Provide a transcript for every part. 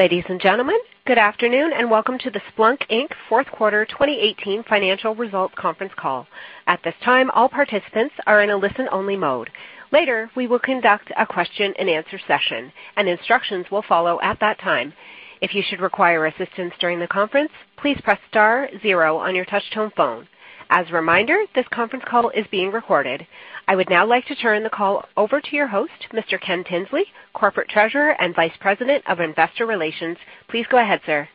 Ladies and gentlemen, good afternoon and welcome to the Splunk Inc. Fourth Quarter 2018 Financial Result Conference Call. At this time, all participants are in a listen-only mode. Later, we will conduct a question and answer session, and instructions will follow at that time. If you should require assistance during the conference, please press star zero on your touch-tone phone. As a reminder, this conference call is being recorded. I would now like to turn the call over to your host, Mr. Ken Tinsley, Corporate Treasurer and Vice President of Investor Relations. Please go ahead, sir.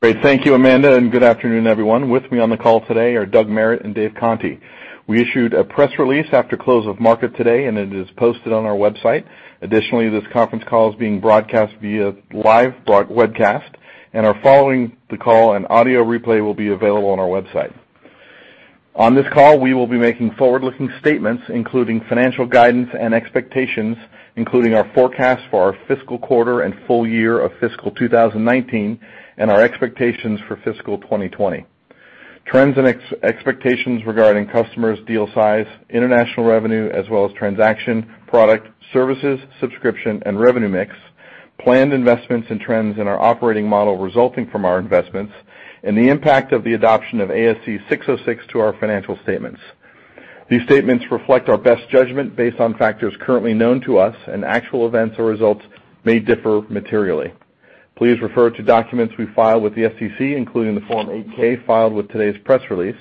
Great. Thank you, Amanda, and good afternoon, everyone. With me on the call today are Doug Merritt and Dave Conte. We issued a press release after close of market today, and it is posted on our website. Additionally, this conference call is being broadcast via live broadcast, and a following the call and audio replay will be available on our website. On this call, we will be making forward-looking statements, including financial guidance and expectations, including our forecast for our fiscal quarter and full year of fiscal 2019, and our expectations for fiscal 2020. Trends and expectations regarding customers deal size, international revenue, as well as transaction, product, services, subscription, and revenue mix, planned investments and trends in our operating model resulting from our investments, and the impact of the adoption of ASC 606 to our financial statements. These statements reflect our best judgment based on factors currently known to us, and actual events or results may differ materially. Please refer to documents we filed with the SEC, including the Form 8-K filed with today's press release.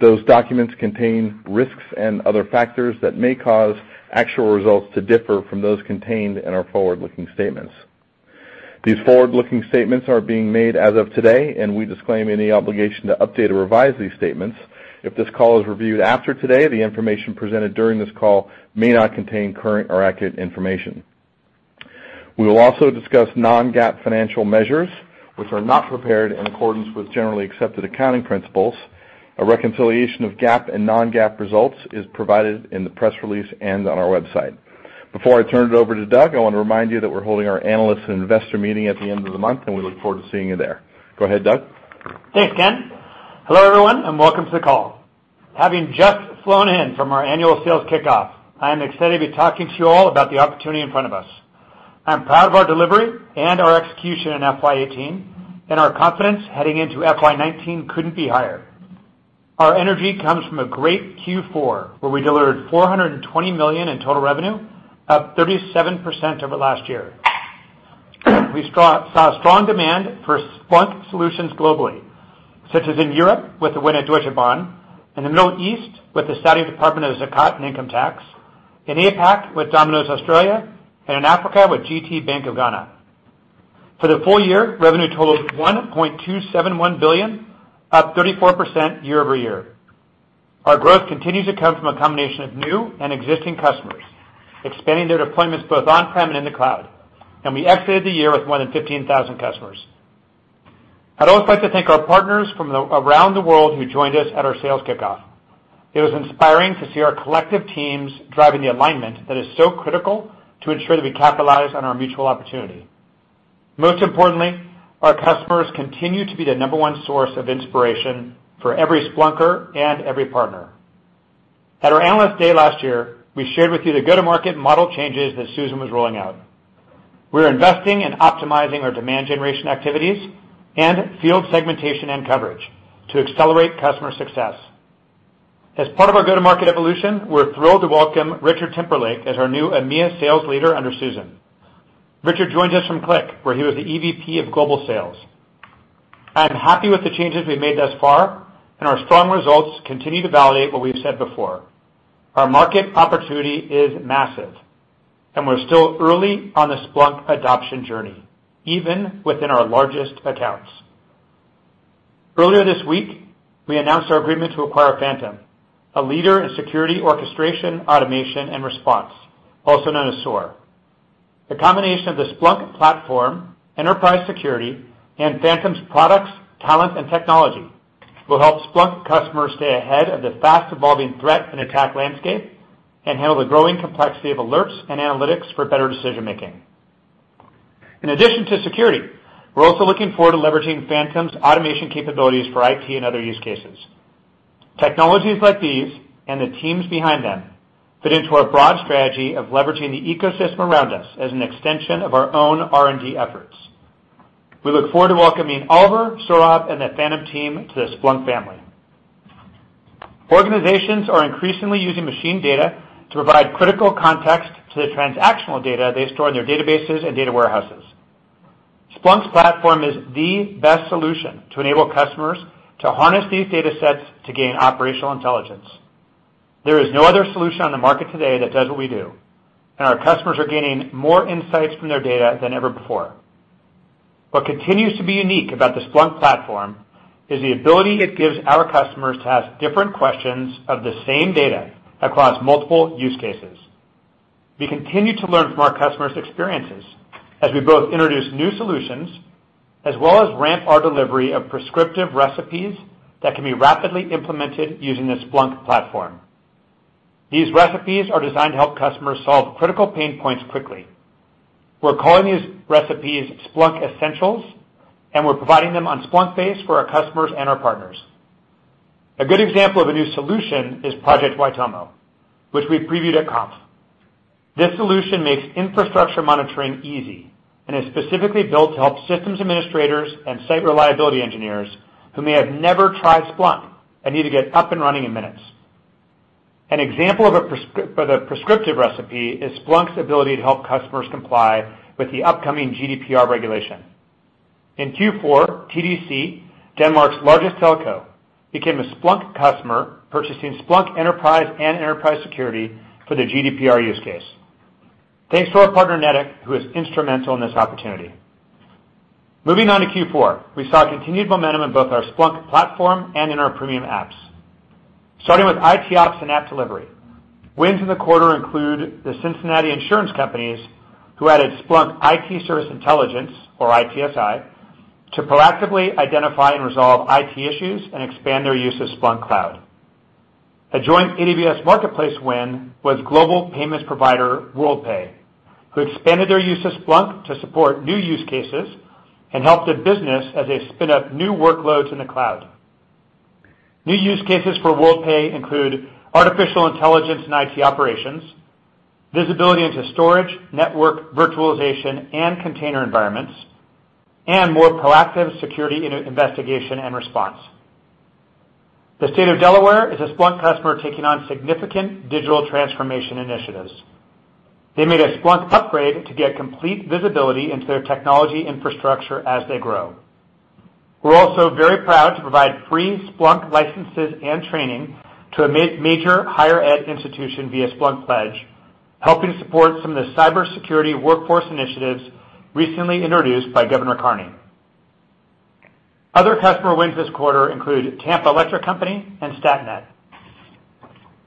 Those documents contain risks and other factors that may cause actual results to differ from those contained in our forward-looking statements. These forward-looking statements are being made as of today, and we disclaim any obligation to update or revise these statements. If this call is reviewed after today, the information presented during this call may not contain current or accurate information. We will also discuss non-GAAP financial measures, which are not prepared in accordance with generally accepted accounting principles. A reconciliation of GAAP and non-GAAP results is provided in the press release and on our website. Before I turn it over to Doug, I want to remind you that we're holding our analyst investor meeting at the end of the month, and we look forward to seeing you there. Go ahead, Doug. Thanks, Ken. Hello, everyone, and welcome to the call. Having just flown in from our annual Sales Kickoff, I am excited to be talking to you all about the opportunity in front of us. I'm proud of our delivery and our execution in FY 2018. Our confidence heading into FY 2019 couldn't be higher. Our energy comes from a great Q4, where we delivered $420 million in total revenue, up 37% over last year. We saw strong demand for Splunk solutions globally, such as in Europe with the win at Deutsche Bahn, in the Middle East with the Saudi Department of Zakat and Income Tax, in APAC with Domino's Australia, and in Africa with GTBank Ghana. For the full year, revenue totaled $1.271 billion, up 34% year-over-year. Our growth continues to come from a combination of new and existing customers, expanding their deployments both on-prem and in the cloud. We exited the year with more than 15,000 customers. I'd also like to thank our partners from around the world who joined us at our Sales Kickoff. It was inspiring to see our collective teams driving the alignment that is so critical to ensure that we capitalize on our mutual opportunity. Most importantly, our customers continue to be the number 1 source of inspiration for every Splunker and every partner. At our Analyst Day last year, we shared with you the go-to-market model changes that Susan was rolling out. We're investing in optimizing our demand generation activities and field segmentation and coverage to accelerate customer success. As part of our go-to-market evolution, we're thrilled to welcome Richard Timperlake as our new EMEA sales leader under Susan. Richard joins us from Qlik, where he was the EVP of Global Sales. I'm happy with the changes we've made thus far. Our strong results continue to validate what we've said before. Our market opportunity is massive. We're still early on the Splunk adoption journey, even within our largest accounts. Earlier this week, we announced our agreement to acquire Phantom, a leader in security, orchestration, automation, and response, also known as SOAR. The combination of the Splunk platform, Enterprise Security, and Phantom's products, talent, and technology will help Splunk customers stay ahead of the fast-evolving threat and attack landscape and handle the growing complexity of alerts and analytics for better decision-making. In addition to security, we're also looking forward to leveraging Phantom's automation capabilities for IT and other use cases. Technologies like these and the teams behind them fit into our broad strategy of leveraging the ecosystem around us as an extension of our own R&D efforts. We look forward to welcoming Oliver, Sourabh, and the Phantom team to the Splunk family. Organizations are increasingly using machine data to provide critical context to the transactional data they store in their databases and data warehouses. Splunk's platform is the best solution to enable customers to harness these data sets to gain operational intelligence. There is no other solution on the market today that does what we do. Our customers are gaining more insights from their data than ever before. What continues to be unique about the Splunk platform is the ability it gives our customers to ask different questions of the same data across multiple use cases. We continue to learn from our customers' experiences as we both introduce new solutions, as well as ramp our delivery of prescriptive recipes that can be rapidly implemented using the Splunk platform. These recipes are designed to help customers solve critical pain points quickly. We're calling these recipes Splunk Essentials, and we're providing them on Splunkbase for our customers and our partners. A good example of a new solution is Project Waitomo, which we previewed at .conf. This solution makes infrastructure monitoring easy and is specifically built to help systems administrators and site reliability engineers who may have never tried Splunk and need to get up and running in minutes. An example of a prescriptive recipe is Splunk's ability to help customers comply with the upcoming GDPR regulation. In Q4, TDC, Denmark's largest telco, became a Splunk customer, purchasing Splunk Enterprise and Enterprise Security for their GDPR use case. Thanks to our partner, Netic, who is instrumental in this opportunity. Moving on to Q4, we saw continued momentum in both our Splunk platform and in our premium apps. Starting with IT Ops and App Delivery, wins in the quarter include The Cincinnati Insurance Companies, who added Splunk IT Service Intelligence, or ITSI, to proactively identify and resolve IT issues and expand their use of Splunk Cloud. A joint AWS Marketplace win was global payments provider, Worldpay, who expanded their use of Splunk to support new use cases and help their business as they spin up new workloads in the cloud. New use cases for Worldpay include artificial intelligence and IT operations, visibility into storage, network virtualization, and container environments, and more proactive security investigation and response. The State of Delaware is a Splunk customer taking on significant digital transformation initiatives. They made a Splunk upgrade to get complete visibility into their technology infrastructure as they grow. We're also very proud to provide free Splunk licenses and training to a major higher ed institution via Splunk Pledge, helping support some of the cybersecurity workforce initiatives recently introduced by Governor Carney. Other customer wins this quarter include Tampa Electric Company and Statnett.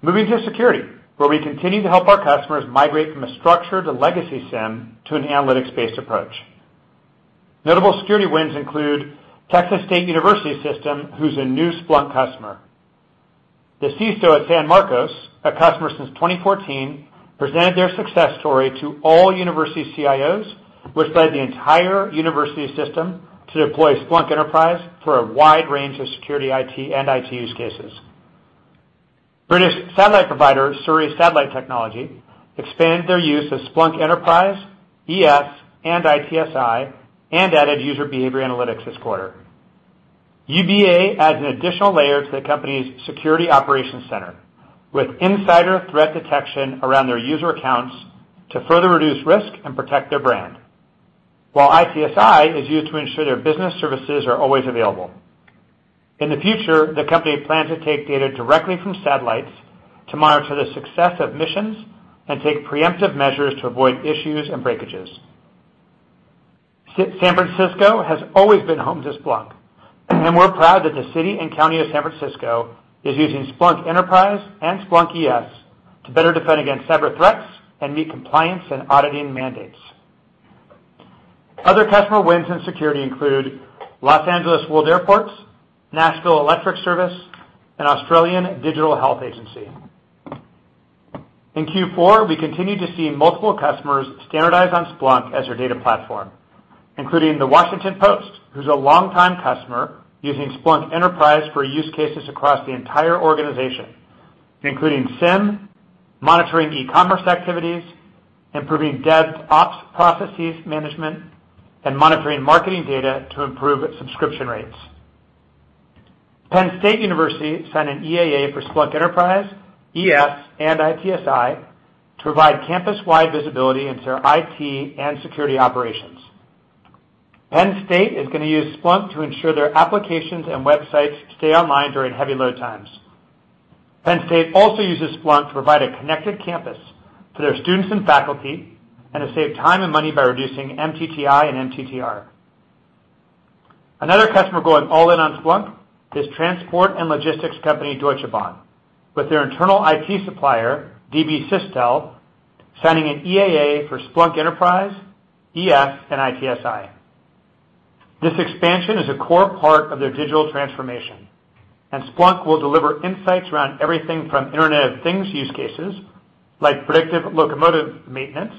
Moving to security, where we continue to help our customers migrate from a structured legacy SIEM to an analytics-based approach. Notable security wins include Texas State University System, who's a new Splunk customer. The CISO at San Marcos, a customer since 2014, presented their success story to all university CIOs, which led the entire university system to deploy Splunk Enterprise for a wide range of security IT and IT use cases. British satellite provider, Surrey Satellite Technology, expanded their use of Splunk Enterprise, ES, and ITSI, and added user behavior analytics this quarter. UBA adds an additional layer to the company's security operations center with insider threat detection around their user accounts to further reduce risk and protect their brand. While ITSI is used to ensure their business services are always available. In the future, the company plans to take data directly from satellites to monitor the success of missions and take preemptive measures to avoid issues and breakages. San Francisco has always been home to Splunk, and we're proud that the city and county of San Francisco is using Splunk Enterprise and Splunk ES to better defend against cyber threats and meet compliance and auditing mandates. Other customer wins in security include Los Angeles World Airports, Nashville Electric Service, and Australian Digital Health Agency. In Q4, we continued to see multiple customers standardize on Splunk as their data platform, including The Washington Post, who's a longtime customer using Splunk Enterprise for use cases across the entire organization, including SIEM, monitoring e-commerce activities, improving DevOps processes management, and monitoring marketing data to improve subscription rates. Penn State University signed an EAA for Splunk Enterprise, ES, and ITSI to provide campus-wide visibility into their IT and security operations. Penn State is going to use Splunk to ensure their applications and websites stay online during heavy load times. Penn State also uses Splunk to provide a connected campus to their students and faculty, and to save time and money by reducing MTTI and MTTR. Another customer going all in on Splunk is transport and logistics company, Deutsche Bahn, with their internal IT supplier, DB Systel, signing an EAA for Splunk Enterprise, ES, and ITSI. This expansion is a core part of their digital transformation, Splunk will deliver insights around everything from Internet of Things use cases like predictive locomotive maintenance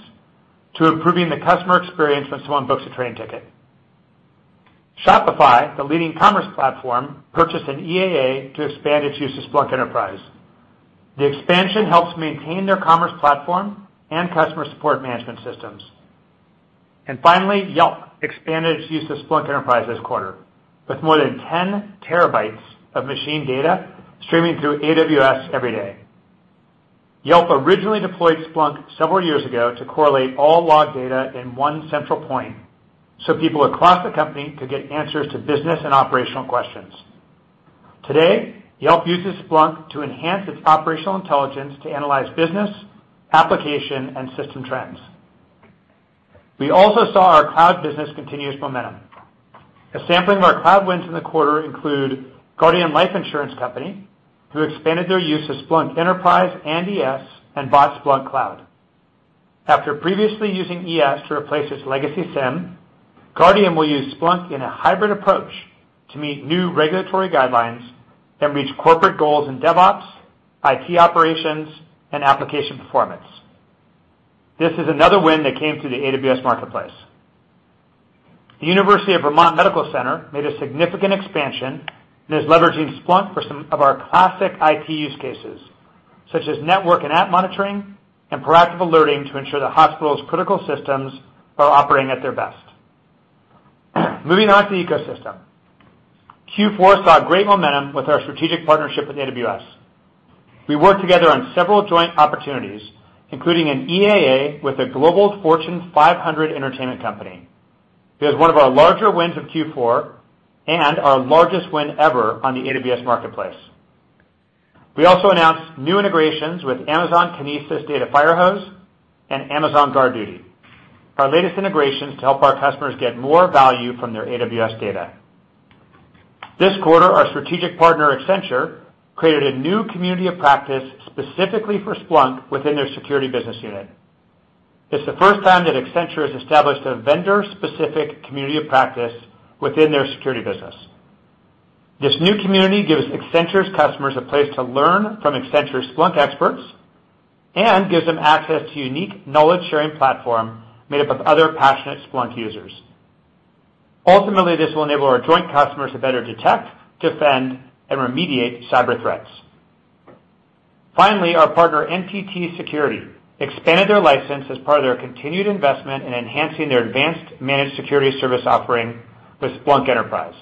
to improving the customer experience when someone books a train ticket. Shopify, the leading commerce platform, purchased an EAA to expand its use of Splunk Enterprise. The expansion helps maintain their commerce platform and customer support management systems. Finally, Yelp expanded its use of Splunk Enterprise this quarter with more than 10 terabytes of machine data streaming through AWS every day. Yelp originally deployed Splunk several years ago to correlate all log data in one central point so people across the company could get answers to business and operational questions. Today, Yelp uses Splunk to enhance its operational intelligence to analyze business, application, and system trends. We also saw our cloud business continuous momentum. A sampling of our cloud wins in the quarter include Guardian Life Insurance Company, who expanded their use of Splunk Enterprise and ES and bought Splunk Cloud. After previously using ES to replace its legacy SIEM, Guardian will use Splunk in a hybrid approach to meet new regulatory guidelines and reach corporate goals in DevOps, IT operations, and application performance. This is another win that came through the AWS Marketplace. The University of Vermont Medical Center made a significant expansion and is leveraging Splunk for some of our classic IT use cases, such as network and app monitoring and proactive alerting to ensure the hospital's critical systems are operating at their best. Moving on to ecosystem. Q4 saw great momentum with our strategic partnership with AWS. We worked together on several joint opportunities, including an EAA with a Fortune Global 500 entertainment company. It was one of our larger wins of Q4 and our largest win ever on the AWS Marketplace. We also announced new integrations with Amazon Kinesis Data Firehose and Amazon GuardDuty, our latest integrations to help our customers get more value from their AWS data. This quarter, our strategic partner, Accenture, created a new community of practice specifically for Splunk within their security business unit. It's the first time that Accenture has established a vendor-specific community of practice within their security business. This new community gives Accenture's customers a place to learn from Accenture's Splunk experts and gives them access to a unique knowledge-sharing platform made up of other passionate Splunk users. Ultimately, this will enable our joint customers to better detect, defend, and remediate cyber threats. Finally, our partner, NTT Security, expanded their license as part of their continued investment in enhancing their advanced managed security service offering with Splunk Enterprise.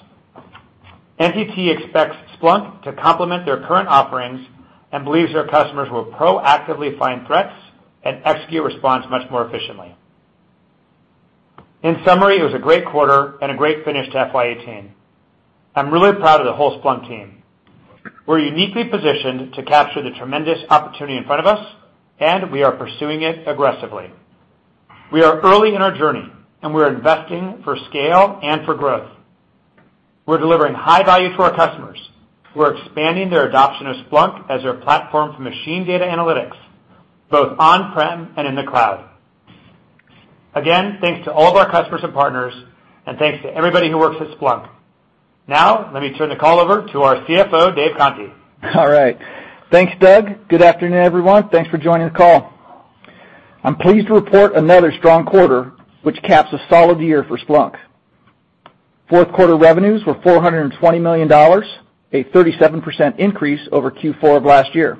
NTT expects Splunk to complement their current offerings and believes their customers will proactively find threats and execute response much more efficiently. In summary, it was a great quarter and a great finish to FY 2018. I'm really proud of the whole Splunk team. We're uniquely positioned to capture the tremendous opportunity in front of us, and we are pursuing it aggressively. We are early in our journey, and we're investing for scale and for growth. We're delivering high value to our customers. We're expanding their adoption of Splunk as their platform for machine data analytics, both on-prem and in the cloud. Again, thanks to all of our customers and partners, and thanks to everybody who works at Splunk. Now, let me turn the call over to our CFO, Dave Conte. All right. Thanks, Doug. Good afternoon, everyone. Thanks for joining the call. I'm pleased to report another strong quarter, which caps a solid year for Splunk. Fourth quarter revenues were $420 million, a 37% increase over Q4 of last year.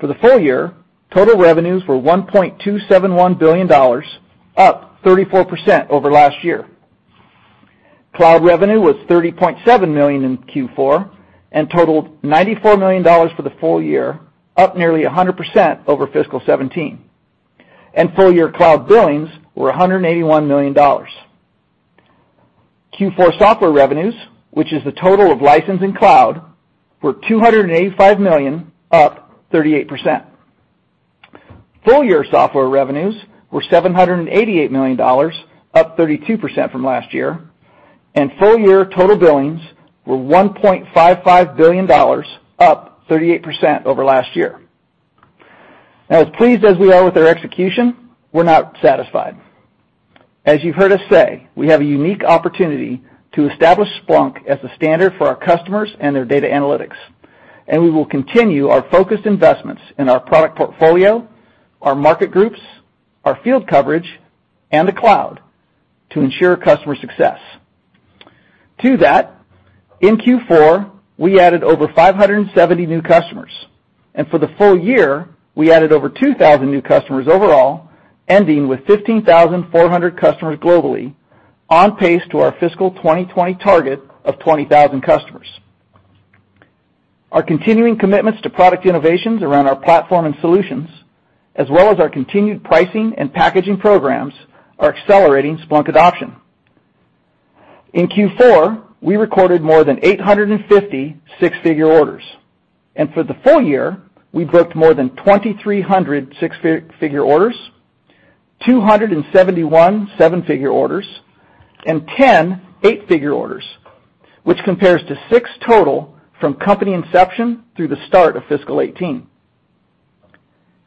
For the full year, total revenues were $1.271 billion, up 34% over last year. Cloud revenue was $30.7 million in Q4 and totaled $94 million for the full year, up nearly 100% over fiscal 2017, and full-year cloud billings were $181 million. Q4 software revenues, which is the total of license and cloud, were $285 million, up 38%. Full-year software revenues were $788 million, up 32% from last year, and full-year total billings were $1.55 billion, up 38% over last year. Now, as pleased as we are with our execution, we're not satisfied. As you've heard us say, we have a unique opportunity to establish Splunk as the standard for our customers and their data analytics, and we will continue our focused investments in our product portfolio, our market groups, our field coverage, and the cloud to ensure customer success. To that, in Q4, we added over 570 new customers, and for the full year, we added over 2,000 new customers overall, ending with 15,400 customers globally, on pace to our fiscal 2020 target of 20,000 customers. Our continuing commitments to product innovations around our platform and solutions, as well as our continued pricing and packaging programs, are accelerating Splunk adoption. In Q4, we recorded more than 850 six-figure orders, and for the full year, we booked more than 2,300 six-figure orders, 271 seven-figure orders, and 10 eight-figure orders, which compares to six total from company inception through the start of fiscal 2018.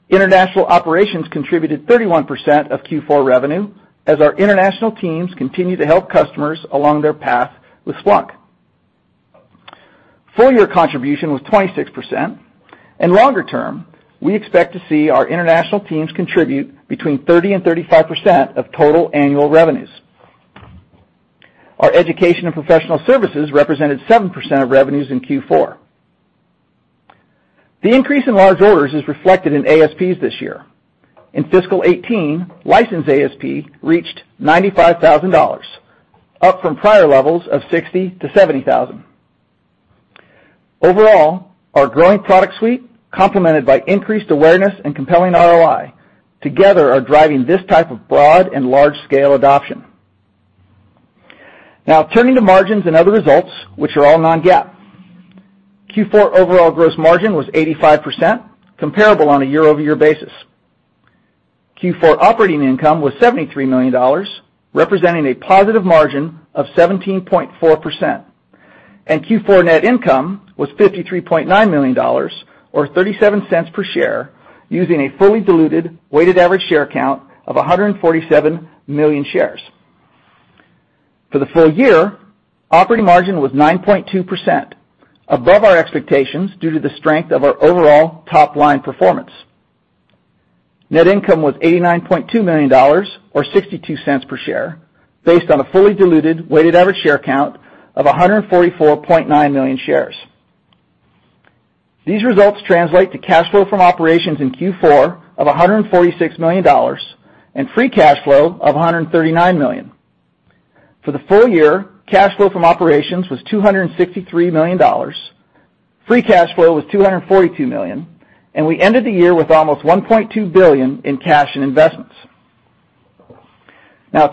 International operations contributed 31% of Q4 revenue as our international teams continue to help customers along their path with Splunk. Full year contribution was 26%, and longer term, we expect to see our international teams contribute between 30% and 35% of total annual revenues. Our education and professional services represented 7% of revenues in Q4. The increase in large orders is reflected in ASPs this year. In fiscal 2018, license ASP reached $95,000, up from prior levels of $60,000 to $70,000. Overall, our growing product suite, complemented by increased awareness and compelling ROI, together are driving this type of broad and large-scale adoption. Turning to margins and other results, which are all non-GAAP. Q4 overall gross margin was 85%, comparable on a year-over-year basis. Q4 operating income was $73 million, representing a positive margin of 17.4%, and Q4 net income was $53.9 million, or $0.37 per share, using a fully diluted weighted-average share count of 147 million shares. For the full year, operating margin was 9.2%, above our expectations due to the strength of our overall top-line performance. Net income was $89.2 million, or $0.62 per share, based on a fully diluted weighted-average share count of 144.9 million shares. These results translate to cash flow from operations in Q4 of $146 million and free cash flow of $139 million. For the full year, cash flow from operations was $263 million, free cash flow was $242 million, and we ended the year with almost $1.2 billion in cash and investments.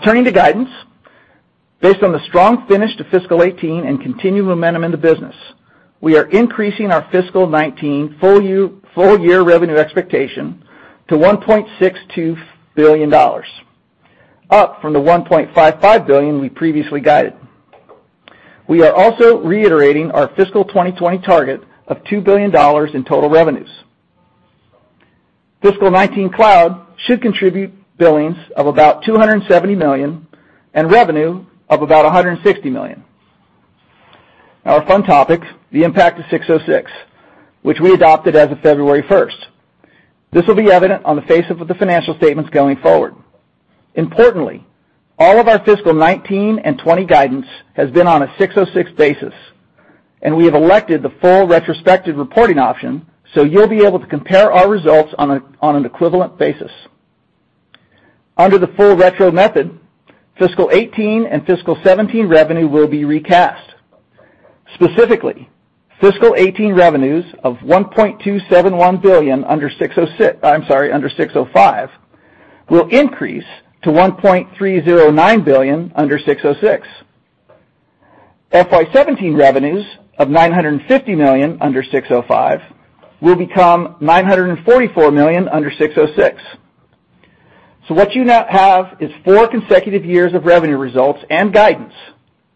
Turning to guidance. Based on the strong finish to fiscal 2018 and continued momentum in the business, we are increasing our fiscal 2019 full year revenue expectation to $1.62 billion, up from the $1.55 billion we previously guided. We are also reiterating our fiscal 2020 target of $2 billion in total revenues. Fiscal 2019 cloud should contribute billings of about $270 million and revenue of about $160 million. Our fun topics, the impact of 606, which we adopted as of February 1. This will be evident on the face of the financial statements going forward. Importantly, all of our fiscal 2019 and 2020 guidance has been on a 606 basis, and we have elected the full retrospective reporting option, so you will be able to compare our results on an equivalent basis. Under the full retro method, fiscal 2018 and fiscal 2017 revenue will be recast. Specifically, fiscal 2018 revenues of $1.271 billion under 605 will increase to $1.309 billion under 606. FY 2017 revenues of $950 million under 605 will become $944 million under 606. What you now have is four consecutive years of revenue results and guidance,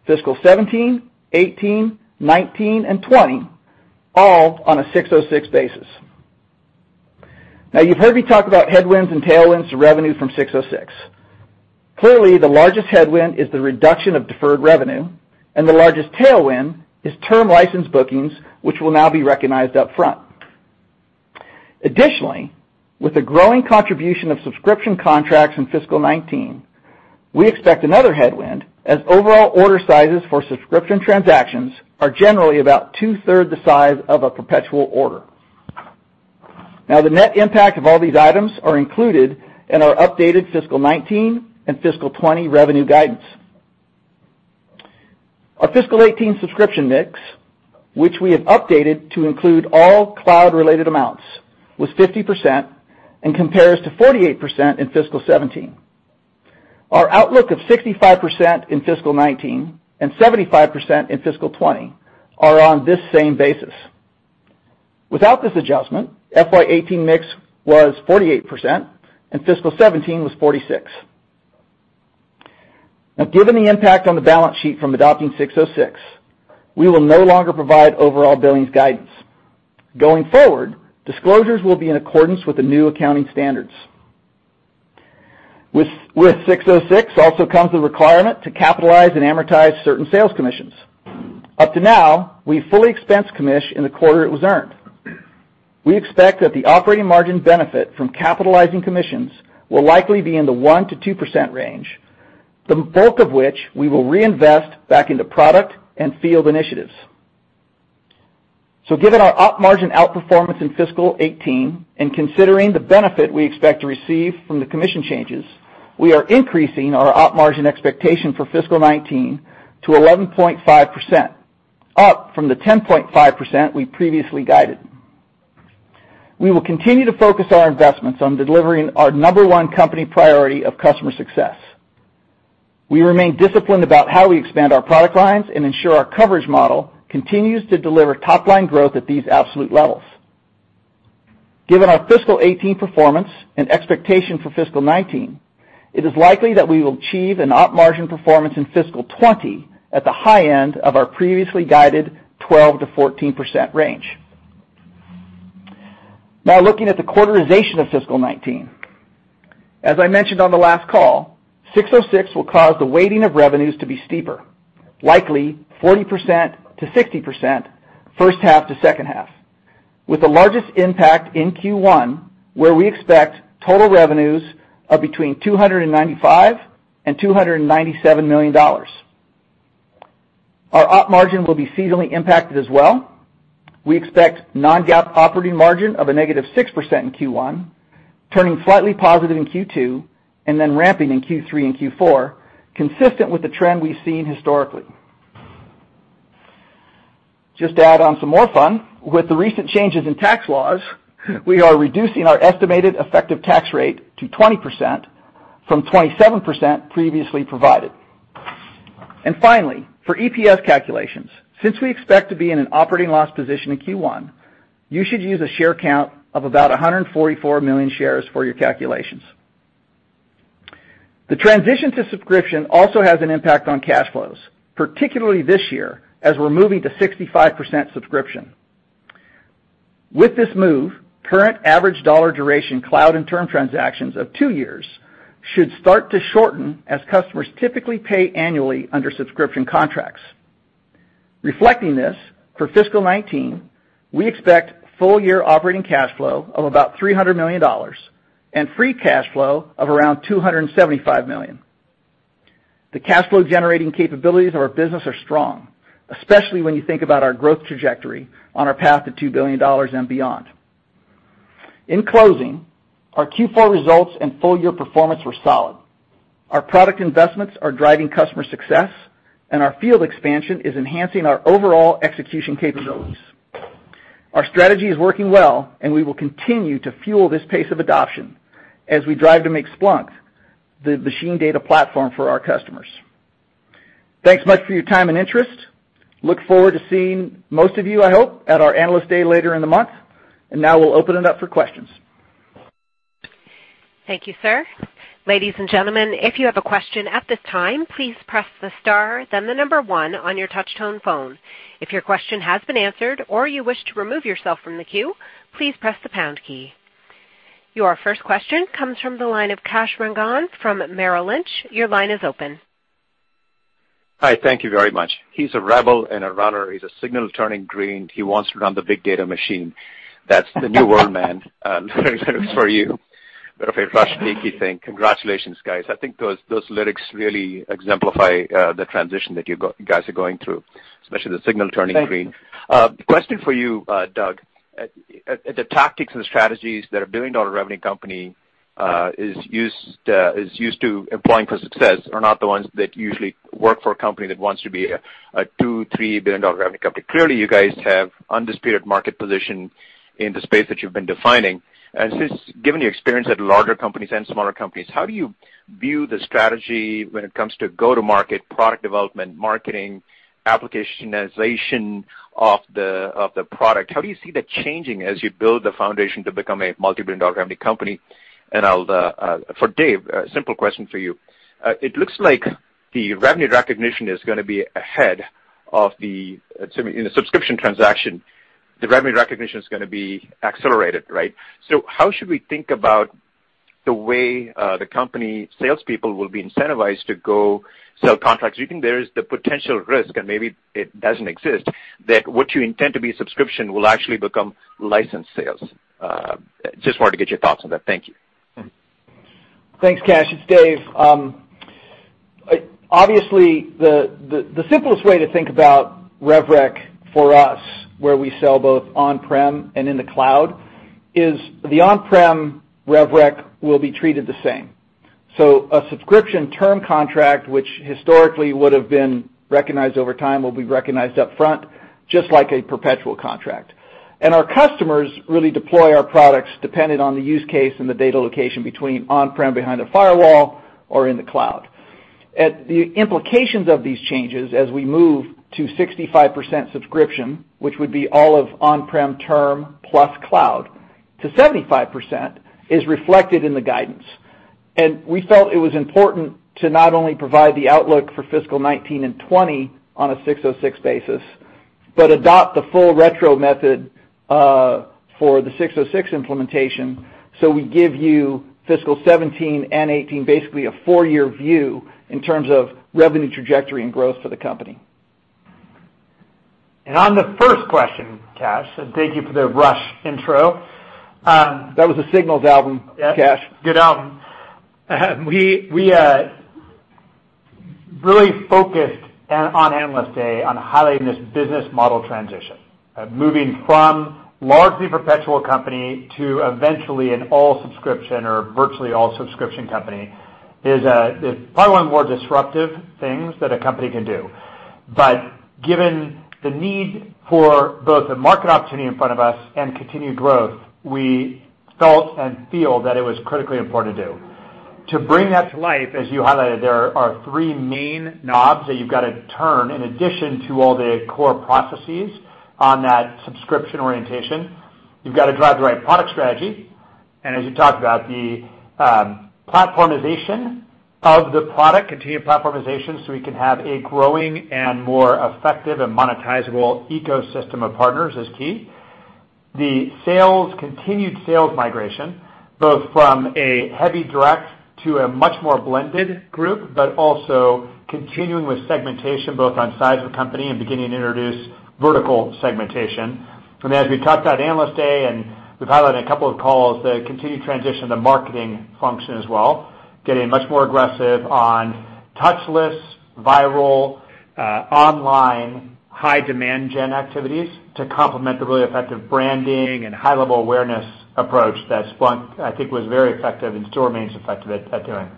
fiscal 2017, 2018, 2019, and 2020, all on a 606 basis. You have heard me talk about headwinds and tailwinds to revenue from 606. Clearly, the largest headwind is the reduction of deferred revenue, and the largest tailwind is term license bookings, which will now be recognized upfront. Additionally, with the growing contribution of subscription contracts in fiscal 2019, we expect another headwind as overall order sizes for subscription transactions are generally about two-thirds the size of a perpetual order. The net impact of all these items are included in our updated fiscal 2019 and fiscal 2020 revenue guidance. Our fiscal 2018 subscription mix, which we have updated to include all cloud-related amounts, was 50% and compares to 48% in fiscal 2017. Our outlook of 65% in fiscal 2019 and 75% in fiscal 2020 are on this same basis. Without this adjustment, FY 2018 mix was 48%, and fiscal 2017 was 46%. Given the impact on the balance sheet from adopting 606, we will no longer provide overall billings guidance. Disclosures will be in accordance with the new accounting standards. 606 also comes the requirement to capitalize and amortize certain sales commissions. Up to now, we've fully expensed commission in the quarter it was earned. We expect that the operating margin benefit from capitalizing commissions will likely be in the 1%-2% range, the bulk of which we will reinvest back into product and field initiatives. Given our op margin outperformance in fiscal 2018 and considering the benefit we expect to receive from the commission changes, we are increasing our op margin expectation for fiscal 2019 to 11.5%, up from the 10.5% we previously guided. We will continue to focus our investments on delivering our number one company priority of customer success. We remain disciplined about how we expand our product lines and ensure our coverage model continues to deliver top-line growth at these absolute levels. Given our fiscal 2018 performance and expectation for fiscal 2019, it is likely that we will achieve an op margin performance in fiscal 2020 at the high end of our previously guided 12%-14% range. Looking at the quarterization of fiscal 2019. As I mentioned on the last call, 606 will cause the weighting of revenues to be steeper, likely 40%-60% first half to second half, with the largest impact in Q1, where we expect total revenues of between $295 million and $297 million. Our op margin will be seasonally impacted as well. We expect non-GAAP operating margin of a -6% in Q1, turning slightly positive in Q2, and then ramping in Q3 and Q4, consistent with the trend we've seen historically. Just to add on some more fun, with the recent changes in tax laws, we are reducing our estimated effective tax rate to 20% from 27% previously provided. Finally, for EPS calculations, since we expect to be in an operating loss position in Q1, you should use a share count of about 144 million shares for your calculations. The transition to subscription also has an impact on cash flows, particularly this year, as we're moving to 65% subscription. With this move, current average dollar duration cloud and term transactions of two years should start to shorten as customers typically pay annually under subscription contracts. Reflecting this, for fiscal 2019, we expect full year operating cash flow of about $300 million and free cash flow of around $275 million. The cash flow generating capabilities of our business are strong, especially when you think about our growth trajectory on our path to $2 billion and beyond. Our Q4 results and full year performance were solid. Our product investments are driving customer success, and our field expansion is enhancing our overall execution capabilities. Our strategy is working well. We will continue to fuel this pace of adoption as we drive to make Splunk the machine data platform for our customers. Thanks much for your time and interest. Look forward to seeing most of you, I hope, at our Analyst Day later in the month. Now we'll open it up for questions. Thank you, sir. Ladies and gentlemen, if you have a question at this time, please press the star 1 on your touch tone phone. If your question has been answered or you wish to remove yourself from the queue, please press the pound key. Your first question comes from the line of Kash Rangan from Merrill Lynch. Your line is open. Hi. Thank you very much. He's a rebel and a runner. He's a signal turning green. He wants to run the big data machine. That's the new world, man, for you. Bit of a Rush peaky thing. Congratulations, guys. I think those lyrics really exemplify the transition that you guys are going through, especially the signal turning green. Thank you. Question for you, Doug Merritt. The tactics and strategies that a billion-dollar revenue company is used to employing for success are not the ones that usually work for a company that wants to be a $2 billion, $3 billion revenue company. Clearly, you guys have undisputed market position in the space that you've been defining. Given your experience at larger companies and smaller companies, how do you view the strategy when it comes to go-to-market, product development, marketing, applicationization of the product? How do you see that changing as you build the foundation to become a multi-billion dollar revenue company? For Dave Conte, a simple question for you. It looks like the revenue recognition is going to be ahead of the, in a subscription transaction, the revenue recognition is going to be accelerated, right? How should we think about the way the company salespeople will be incentivized to go sell contracts? Do you think there is the potential risk, and maybe it doesn't exist, that what you intend to be subscription will actually become licensed sales? Just wanted to get your thoughts on that. Thank you. Thanks, Kash Rangan. It's Dave Conte. Obviously, the simplest way to think about rev rec for us, where we sell both on-prem and in the cloud, is the on-prem rev rec will be treated the same. A subscription term contract, which historically would have been recognized over time, will be recognized upfront, just like a perpetual contract. Our customers really deploy our products dependent on the use case and the data location between on-prem behind a firewall or in the cloud. The implications of these changes as we move to 65% subscription, which would be all of on-prem term plus cloud, to 75%, is reflected in the guidance. We felt it was important to not only provide the outlook for fiscal 2019 and 2020 on a 606 basis, but adopt the full retro method for the 606 implementation. We give you fiscal 2017 and 2018, basically a four-year view in terms of revenue trajectory and growth for the company. On the first question, Kash, thank you for the Rush intro. That was the Signals album, Kash. Good album. We really focused on Analyst Day on highlighting this business model transition, moving from largely perpetual company to eventually an all subscription or virtually all subscription company, is probably one of the more disruptive things that a company can do. Given the need for both the market opportunity in front of us and continued growth, we felt and feel that it was critically important to do. To bring that to life, as you highlighted, there are three main knobs that you've got to turn in addition to all the core processes on that subscription orientation. You've got to drive the right product strategy, and as you talked about, the platformization of the product, continued platformization, so we can have a growing and more effective and monetizable ecosystem of partners is key. The continued sales migration, both from a heavy direct to a much more blended group, but also continuing with segmentation, both on size of company and beginning to introduce vertical segmentation. As we talked about Analyst Day, and we've highlighted a couple of calls, the continued transition of the marketing function as well, getting much more aggressive on touchless, viral, online, high demand gen activities to complement the really effective branding and high-level awareness approach that Splunk, I think, was very effective and still remains effective at doing.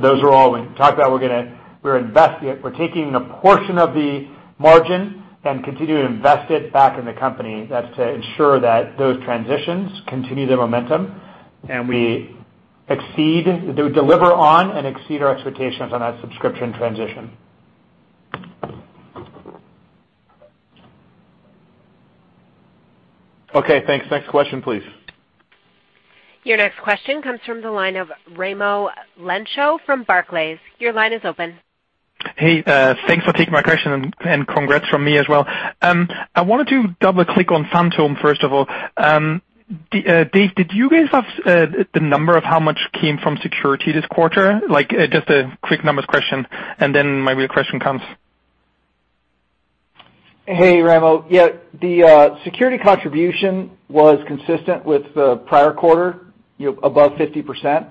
Those are all we talked about. We're taking a portion of the margin and continue to invest it back in the company. That's to ensure that those transitions continue their momentum, and we deliver on and exceed our expectations on that subscription transition. Okay, thanks. Next question, please. Your next question comes from the line of Raimo Lenschow from Barclays. Your line is open. Hey, thanks for taking my question. Congrats from me as well. I wanted to double click on Phantom, first of all. Dave, did you guys have the number of how much came from security this quarter? Just a quick numbers question, then my real question comes Hey, Raimo. The security contribution was consistent with the prior quarter, above 50%.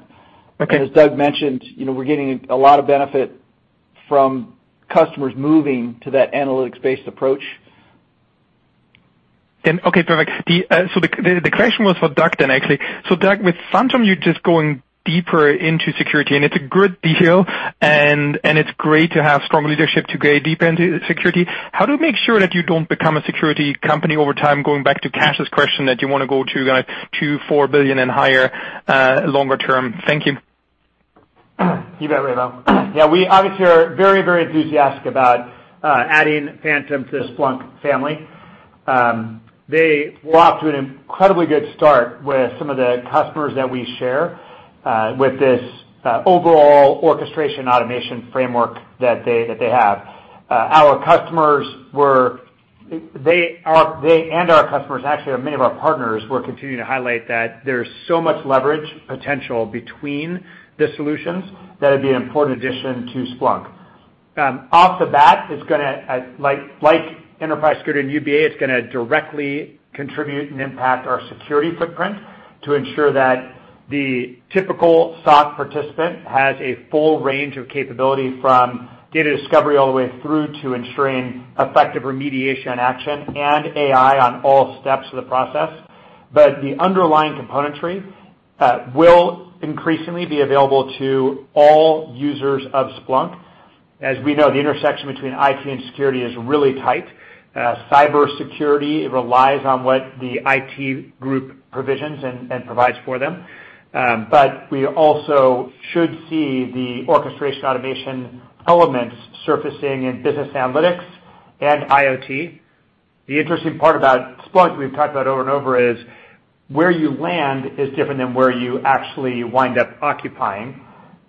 Okay. As Doug mentioned, we're getting a lot of benefit from customers moving to that analytics-based approach. Okay, perfect. The question was for Doug then, actually. Doug, with Phantom, you're just going deeper into security, and it's a good deal, and it's great to have strong leadership to go deeper into security. How do you make sure that you don't become a security company over time, going back to Kash's question that you want to go to $2 billion, $4 billion and higher longer term? Thank you. You bet, Raimo. Yeah, we obviously are very, very enthusiastic about adding Phantom to the Splunk family. They were off to an incredibly good start with some of the customers that we share, with this overall orchestration automation framework that they have. They and our customers, actually many of our partners, were continuing to highlight that there's so much leverage potential between the solutions that it'd be an important addition to Splunk. Off the bat, like Enterprise Security and UBA, it's going to directly contribute and impact our security footprint to ensure that the typical SOC participant has a full range of capability from data discovery all the way through to ensuring effective remediation action and AI on all steps of the process. The underlying componentry will increasingly be available to all users of Splunk. As we know, the intersection between IT and security is really tight. Cybersecurity relies on what the IT group provisions and provides for them. We also should see the orchestration automation elements surfacing in business analytics and IoT. The interesting part about Splunk we've talked about over and over is where you land is different than where you actually wind up occupying.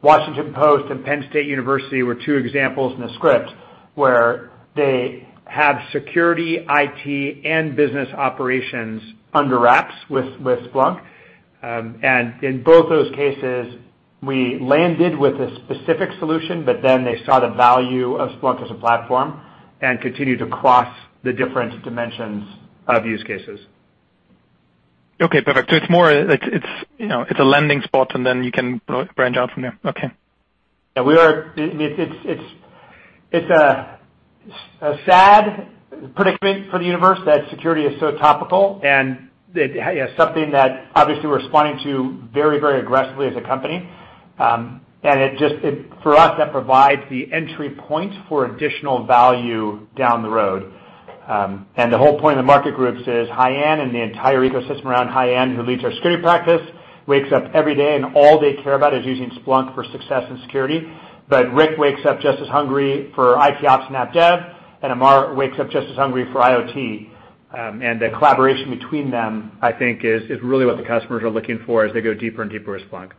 The Washington Post and Penn State University were 2 examples in the script, where they have security, IT, and business operations under wraps with Splunk. In both those cases, we landed with a specific solution, but then they saw the value of Splunk as a platform, and continue to cross the different dimensions of use cases. Okay, perfect. It's a landing spot, and then you can branch out from there. Okay. Yeah. It's a sad predicament for the universe that security is so topical and something that obviously we're responding to very, very aggressively as a company. For us, that provides the entry point for additional value down the road. The whole point of the market groups is Haiyan and the entire ecosystem around Haiyan, who leads our security practice, wakes up every day, and all they care about is using Splunk for success and security. Rick wakes up just as hungry for ITOps and AppDev, and Ammar wakes up just as hungry for IoT. The collaboration between them, I think, is really what the customers are looking for as they go deeper and deeper with Splunk.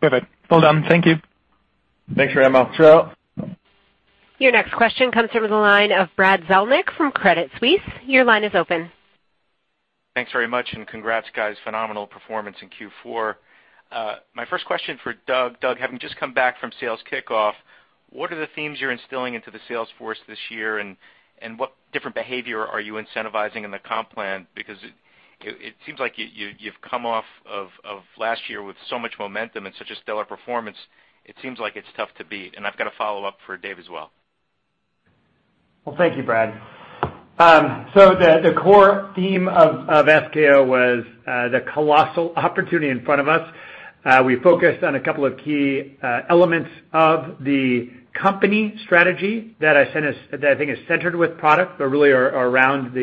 Perfect. Well done. Thank you. Thanks, Raimo. Cheryl? Your next question comes from the line of Brad Zelnick from Credit Suisse. Your line is open. Thanks very much, congrats, guys. Phenomenal performance in Q4. My first question for Doug. Doug, having just come back from Sales Kickoff, what are the themes you're instilling into the sales force this year, and what different behavior are you incentivizing in the comp plan? It seems like you've come off of last year with so much momentum and such a stellar performance, it seems like it's tough to beat. I've got a follow-up for Dave as well. Well, thank you, Brad. The core theme of SKO was the colossal opportunity in front of us. We focused on a couple of key elements of the company strategy that I think is centered with product, but really are around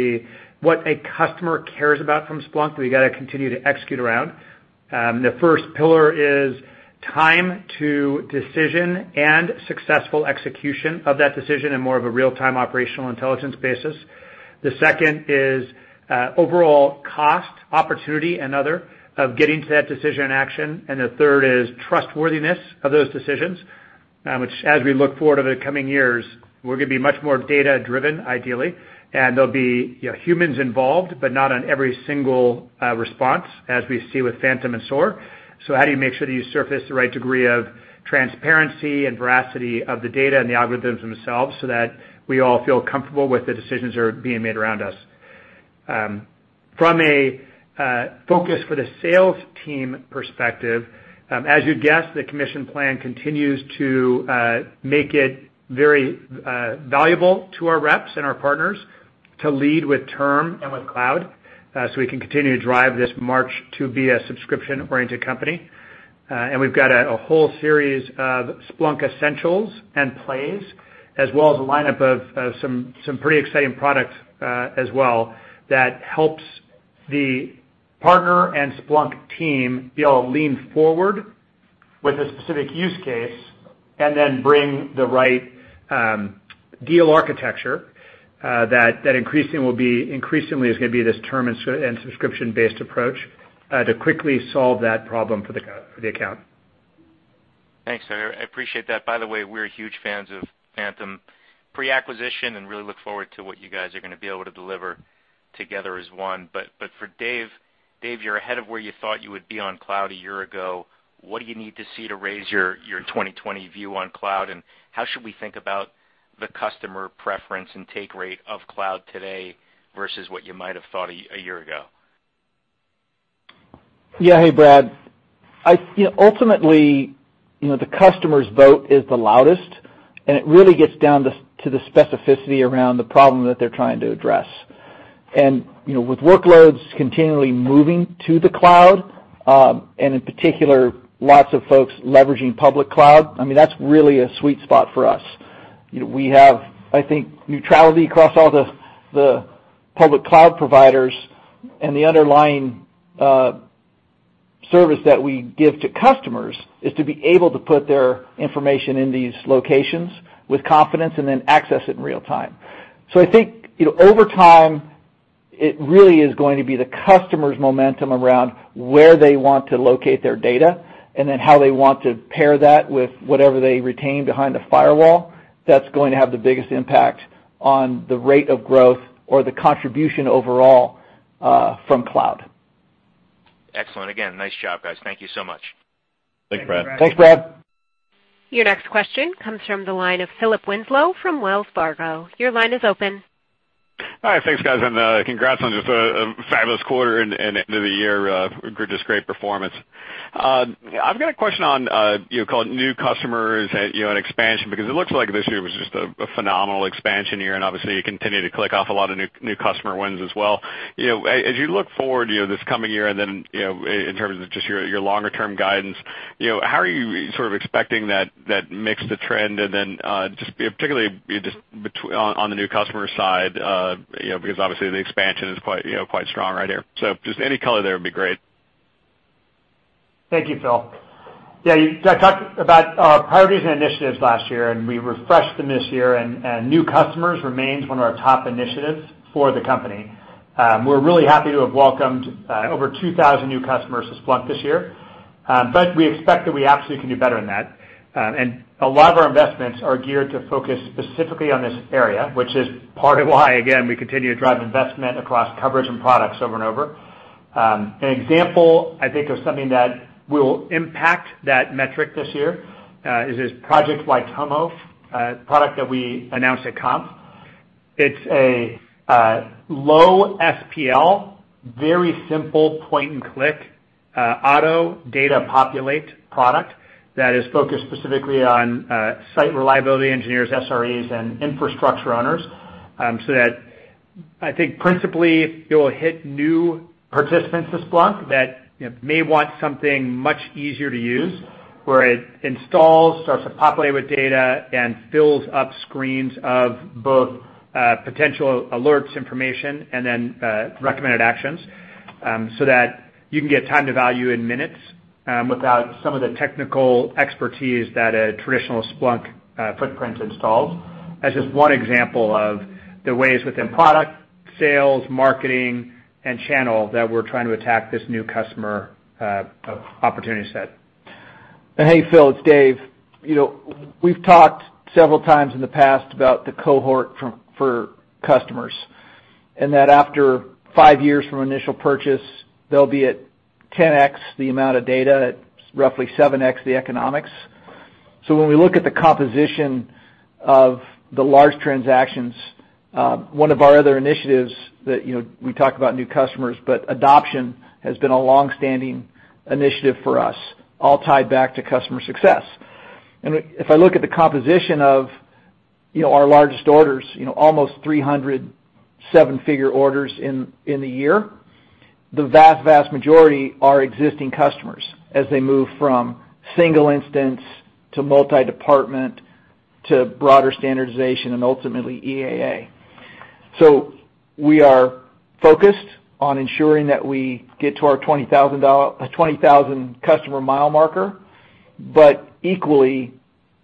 what a customer cares about from Splunk that we got to continue to execute around. The first pillar is time to decision and successful execution of that decision in more of a real-time operational intelligence basis. The second is overall cost, opportunity, and other of getting to that decision action. The third is trustworthiness of those decisions, which, as we look forward over the coming years, we're going to be much more data-driven, ideally. There'll be humans involved, but not on every single response, as we see with Phantom and SOAR. How do you make sure that you surface the right degree of transparency and veracity of the data and the algorithms themselves so that we all feel comfortable with the decisions that are being made around us? From a focus for the sales team perspective, as you'd guess, the commission plan continues to make it very valuable to our reps and our partners to lead with term and with cloud, so we can continue to drive this march to be a subscription-oriented company. We've got a whole series of Splunk Essentials and plays, as well as a lineup of some pretty exciting products as well, that helps the partner and Splunk team be able to lean forward with a specific use case and then bring the right deal architecture, that increasingly is going to be this term and subscription-based approach, to quickly solve that problem for the account. Thanks. I appreciate that. By the way, we're huge fans of Phantom pre-acquisition, and really look forward to what you guys are going to be able to deliver together as one. For Dave, you're ahead of where you thought you would be on Cloud a year ago. What do you need to see to raise your 2020 view on Cloud? How should we think about the customer preference and take rate of Cloud today versus what you might have thought a year ago? Yeah. Hey, Brad. Ultimately, the customer's vote is the loudest, and it really gets down to the specificity around the problem that they're trying to address. With workloads continually moving to the cloud, and in particular, lots of folks leveraging public cloud, I mean, that's really a sweet spot for us. We have, I think, neutrality across all the public cloud providers, and the underlying service that we give to customers is to be able to put their information in these locations with confidence and then access it in real time. I think, over time, it really is going to be the customer's momentum around where they want to locate their data and then how they want to pair that with whatever they retain behind the firewall. That's going to have the biggest impact on the rate of growth or the contribution overall from cloud. Excellent. Again, nice job, guys. Thank you so much. Thanks, Brad. Thanks, Brad. Your next question comes from the line of Philip Winslow from Wells Fargo. Your line is open. Hi. Thanks, guys. Congrats on just a fabulous quarter and end of the year. Just great performance. I've got a question on new customers and expansion because it looks like this year was just a phenomenal expansion year, and obviously you continue to click off a lot of new customer wins as well. As you look forward this coming year and then in terms of just your longer-term guidance, how are you sort of expecting that mix to trend and then just particularly on the new customer side because obviously the expansion is quite strong right here. Just any color there would be great. Thank you, Phil. Yeah, I talked about our priorities and initiatives last year, and we refreshed them this year, and new customers remains one of our top initiatives for the company. We're really happy to have welcomed over 2,000 new customers to Splunk this year. We expect that we absolutely can do better than that. A lot of our investments are geared to focus specifically on this area, which is part of why, again, we continue to drive investment across coverage and products over and over. An example I think of something that will impact that metric this year is this Project Waitomo, a product that we announced at .conf. It's a low SPL, very simple point and click auto data populate product that is focused specifically on site reliability engineers, SREs, and infrastructure owners. That I think principally it will hit new participants to Splunk that may want something much easier to use, where it installs, starts to populate with data, and fills up screens of both potential alerts information and then recommended actions, that you can get time to value in minutes without some of the technical expertise that a traditional Splunk footprint installs. That's just one example of the ways within product, sales, marketing, and channel that we're trying to attack this new customer opportunity set. Hey, Phil, it's Dave. We've talked several times in the past about the cohort for customers and that after five years from initial purchase, they'll be at 10x the amount of data at roughly 7x the economics. When we look at the composition of the large transactions, one of our other initiatives that we talk about new customers, but adoption has been a longstanding initiative for us, all tied back to customer success. If I look at the composition of our largest orders, almost 300 seven-figure orders in the year, the vast majority are existing customers as they move from single instance to multi-department to broader standardization and ultimately EAA. We are focused on ensuring that we get to our 20,000 customer mile marker, but equally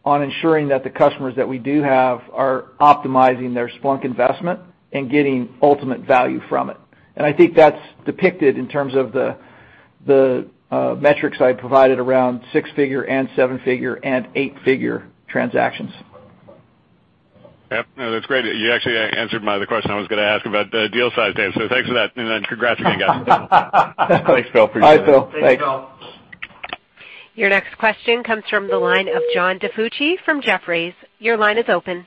on ensuring that the customers that we do have are optimizing their Splunk investment and getting ultimate value from it. I think that's depicted in terms of the metrics I provided around six figure and seven figure and eight-figure transactions. Yep. No, that's great. You actually answered my other question I was going to ask about deal size, Dave. Thanks for that. Then congrats again, guys. Thanks, Phil. Appreciate it. Bye, Phil. Thanks. Thanks, Phil. Your next question comes from the line of John DiFucci from Jefferies. Your line is open.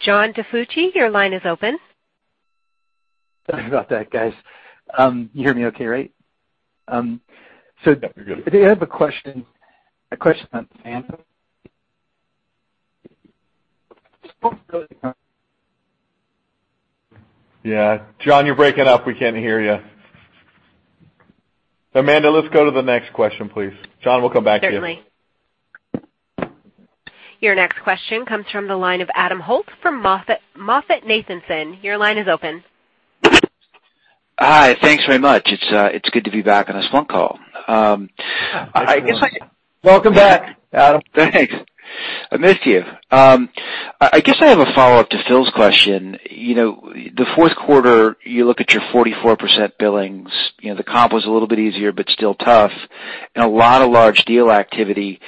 John DiFucci, your line is open. Sorry about that, guys. You hear me okay, right? Yep, you're good. I have a question on Santa. Yeah. John, you're breaking up. We can't hear you. Amanda, let's go to the next question, please. John, we'll come back to you. Certainly. Your next question comes from the line of Adam Holt from MoffettNathanson. Your line is open. Hi. Thanks very much. It is good to be back on a Splunk call. Welcome back, Adam. Thanks. I missed you. I guess I have a follow-up to Phil's question. The fourth quarter, you look at your 44% billings, the comp was a little bit easier, but still tough, and a lot of large deal activity.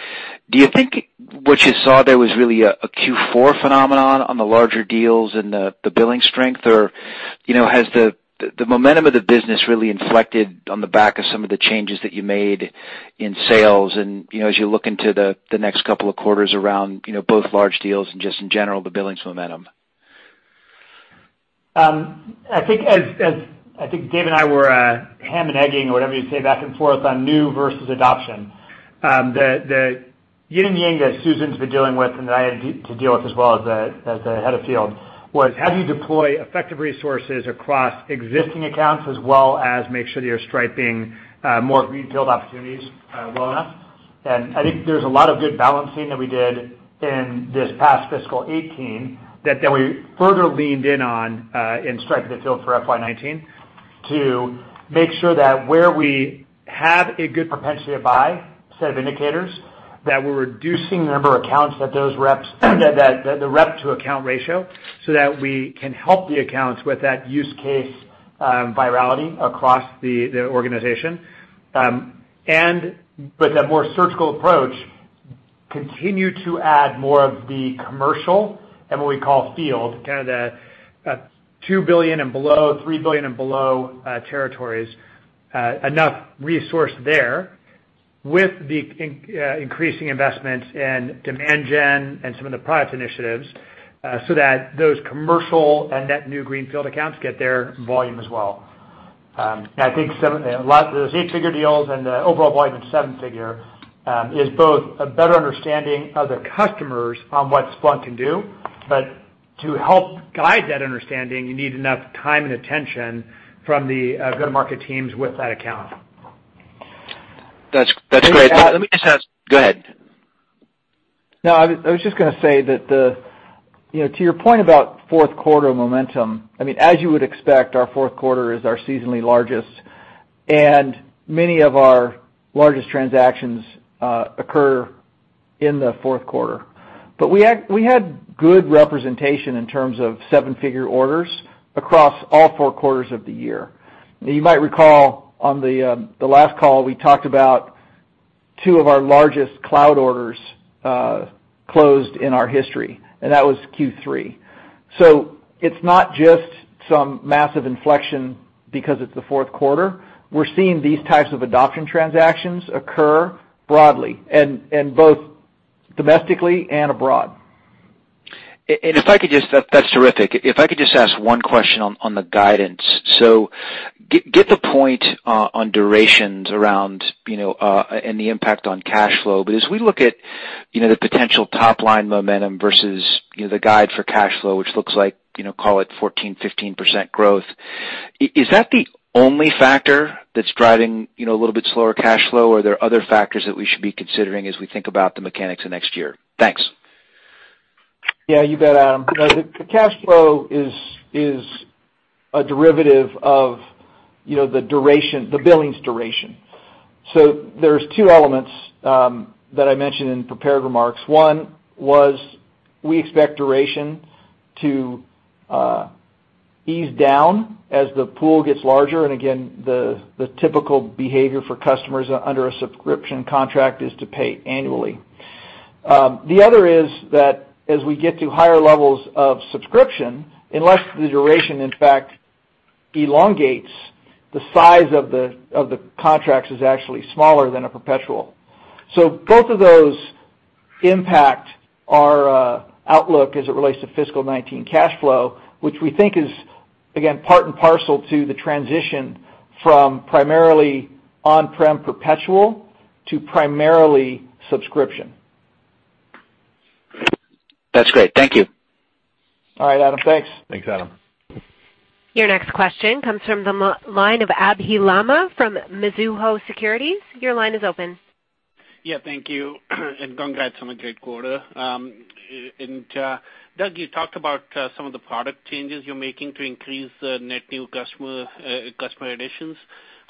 Do you think what you saw there was really a Q4 phenomenon on the larger deals and the billing strength, or has the momentum of the business really inflected on the back of some of the changes that you made in sales, and as you look into the next couple of quarters around both large deals and just in general, the billings momentum? I think, as Dave and I were hemming and hawing, or whatever you say back and forth on new versus adoption, the yin and yang that Susan's been dealing with, and that I had to deal with as well as the head of field, was how do you deploy effective resources across existing accounts, as well as make sure that you're striping more greenfield opportunities well enough. I think there's a lot of good balancing that we did in this past fiscal 2018 that then we further leaned in on and striped the field for FY 2019 to make sure that where we have a good propensity to buy set of indicators, that we're reducing the number accounts that the rep to account ratio, so that we can help the accounts with that use case virality across the organization. The more surgical approach continue to add more of the commercial and what we call field, kind of the $2 billion and below, $3 billion and below territories, enough resource there with the increasing investments in demand gen and some of the product initiatives, so that those commercial and net new greenfield accounts get their volume as well. I think the 8 figure deals and the overall volume in 7 figure, is both a better understanding of the customers on what Splunk can do. To help guide that understanding, you need enough time and attention from the go-to-market teams with that account. That's great. Let me just ask. Go ahead. No, I was just going to say that to your point about fourth quarter momentum, as you would expect, our fourth quarter is our seasonally largest, and many of our largest transactions occur in the fourth quarter. We had good representation in terms of 7-figure orders across all 4 quarters of the year. You might recall on the last call, we talked about 2 of our largest cloud orders closed in our history, and that was Q3. It's not just some massive inflection because it's the fourth quarter. We're seeing these types of adoption transactions occur broadly, and both domestically and abroad. That's terrific. If I could just ask one question on the guidance. Get the point on durations around and the impact on cash flow. As we look at the potential top-line momentum versus the guide for cash flow, which looks like, call it 14%, 15% growth, is that the only factor that's driving a little bit slower cash flow, or are there other factors that we should be considering as we think about the mechanics of next year? Thanks. Yeah, you bet, Adam. The cash flow is a derivative of the billings duration. There's two elements that I mentioned in prepared remarks. One was we expect duration to ease down as the pool gets larger. Again, the typical behavior for customers under a subscription contract is to pay annually. The other is that as we get to higher levels of subscription, unless the duration, in fact, elongates, the size of the contracts is actually smaller than a perpetual. Both of those impact our outlook as it relates to fiscal 2019 cash flow, which we think is, again, part and parcel to the transition from primarily on-prem perpetual to primarily subscription. That's great. Thank you. All right, Adam. Thanks. Thanks, Adam. Your next question comes from the line of Abhey Lamba from Mizuho Securities. Your line is open. Yeah, thank you. Congrats on a great quarter. Doug, you talked about some of the product changes you're making to increase the net new customer additions.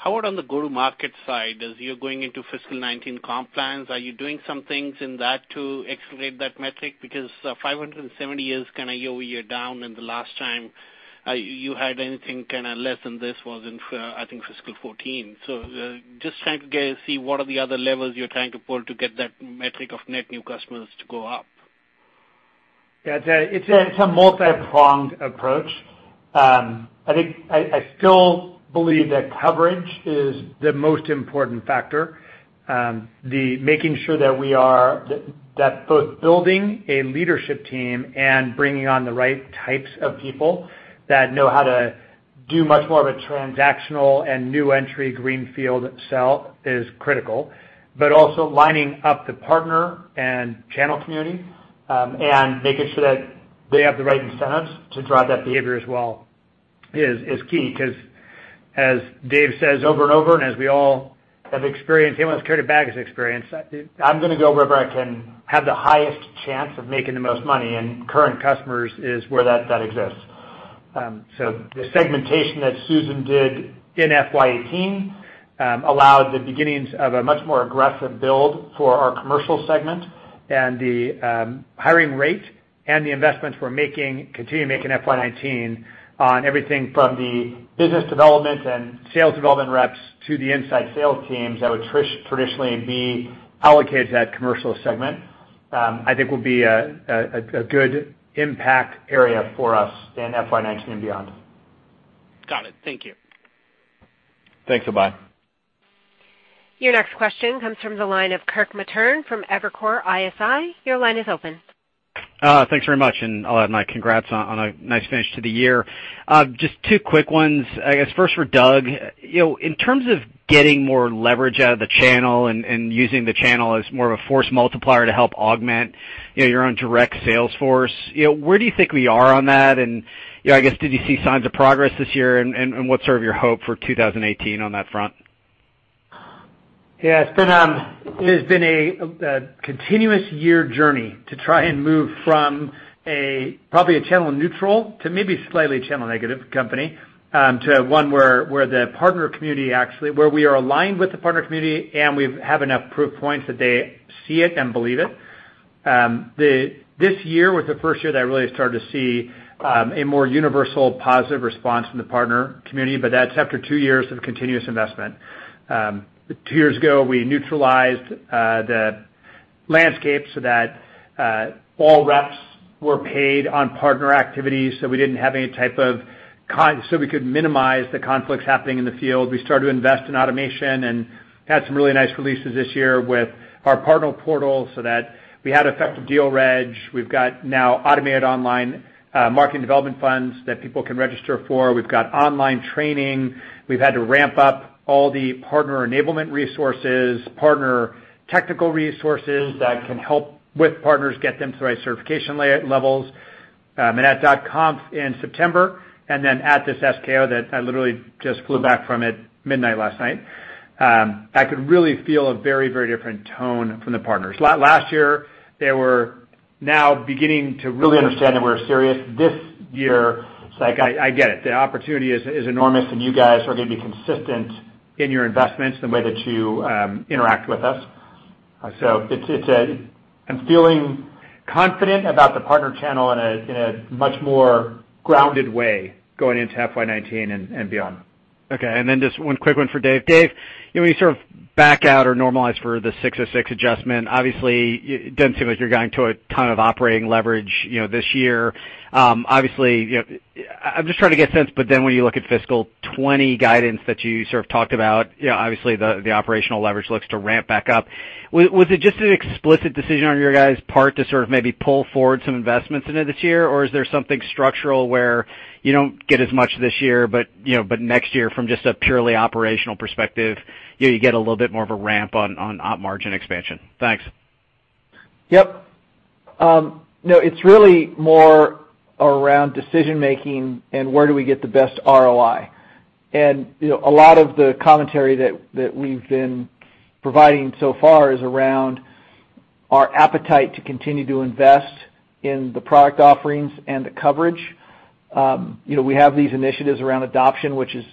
How about on the go-to-market side, as you're going into fiscal 2019 comp plans, are you doing some things in that to accelerate that metric? 570 is kind of year-over-year down, the last time you had anything less than this was in, I think, fiscal 2014. Just trying to see what are the other levers you're trying to pull to get that metric of net new customers to go up. Yeah. It's a multi-pronged approach. I still believe that coverage is the most important factor. Making sure that both building a leadership team and bringing on the right types of people that know how to do much more of a transactional and new entry greenfield sell is critical, also lining up the partner and channel community, and making sure that they have the right incentives to drive that behavior as well is key. As Dave says over and over, and as we all have experienced, anyone who's carried a bag has experienced, I'm going to go wherever I can have the highest chance of making the most money, and current customers is where that exists. The segmentation that Susan did in FY 2018 allowed the beginnings of a much more aggressive build for our commercial segment, and the hiring rate And the investments we're making, continue making in FY 2019 on everything from the business development and sales development reps to the inside sales teams that would traditionally be allocated to that commercial segment, I think will be a good impact area for us in FY 2019 and beyond. Got it. Thank you. Thanks. Bye-bye. Your next question comes from the line of Kirk Materne from Evercore ISI. Your line is open. Thanks very much. I'll add my congrats on a nice finish to the year. Just one quick one. I guess, first for Doug. In terms of getting more leverage out of the channel and using the channel as more of a force multiplier to help augment your own direct sales force, where do you think we are on that, and I guess, did you see signs of progress this year, and what's your hope for 2018 on that front? Yeah. It's been a continuous year journey to try and move from probably a channel neutral to maybe slightly channel negative company, to one where we are aligned with the partner community, and we have enough proof points that they see it and believe it. This year was the first year that I really started to see a more universal positive response from the partner community, but that's after two years of continuous investment. Two years ago, we neutralized the landscape so that all reps were paid on partner activities, so we could minimize the conflicts happening in the field. We started to invest in automation and had some really nice releases this year with our partner portal, so that we had effective deal reg. We've got now automated online marketing development funds that people can register for. We've got online training. We've had to ramp up all the partner enablement resources, partner technical resources that can help with partners get them to the right certification levels, and at .conf in September, and then at this SKO that I literally just flew back from at midnight last night. I could really feel a very different tone from the partners. Last year, they were now beginning to really understand that we're serious. This year, it's like, "I get it. The opportunity is enormous, and you guys are going to be consistent in your investments, the way that you interact with us." I'm feeling confident about the partner channel in a much more grounded way going into FY 2019 and beyond. Okay. Just one quick one for Dave. Dave, when you sort of back out or normalize for the 606 adjustment, obviously, it doesn't seem like you're going to a ton of operating leverage this year. Obviously, I'm just trying to get a sense. When you look at fiscal 2020 guidance that you sort of talked about, obviously, the operational leverage looks to ramp back up. Was it just an explicit decision on your guys' part to sort of maybe pull forward some investments into this year, or is there something structural where you don't get as much this year, but next year, from just a purely operational perspective, you get a little bit more of a ramp on op margin expansion? Thanks. Yep. It's really more around decision-making and where do we get the best ROI. A lot of the commentary that we've been providing so far is around our appetite to continue to invest in the product offerings and the coverage. We have these initiatives around adoption, which is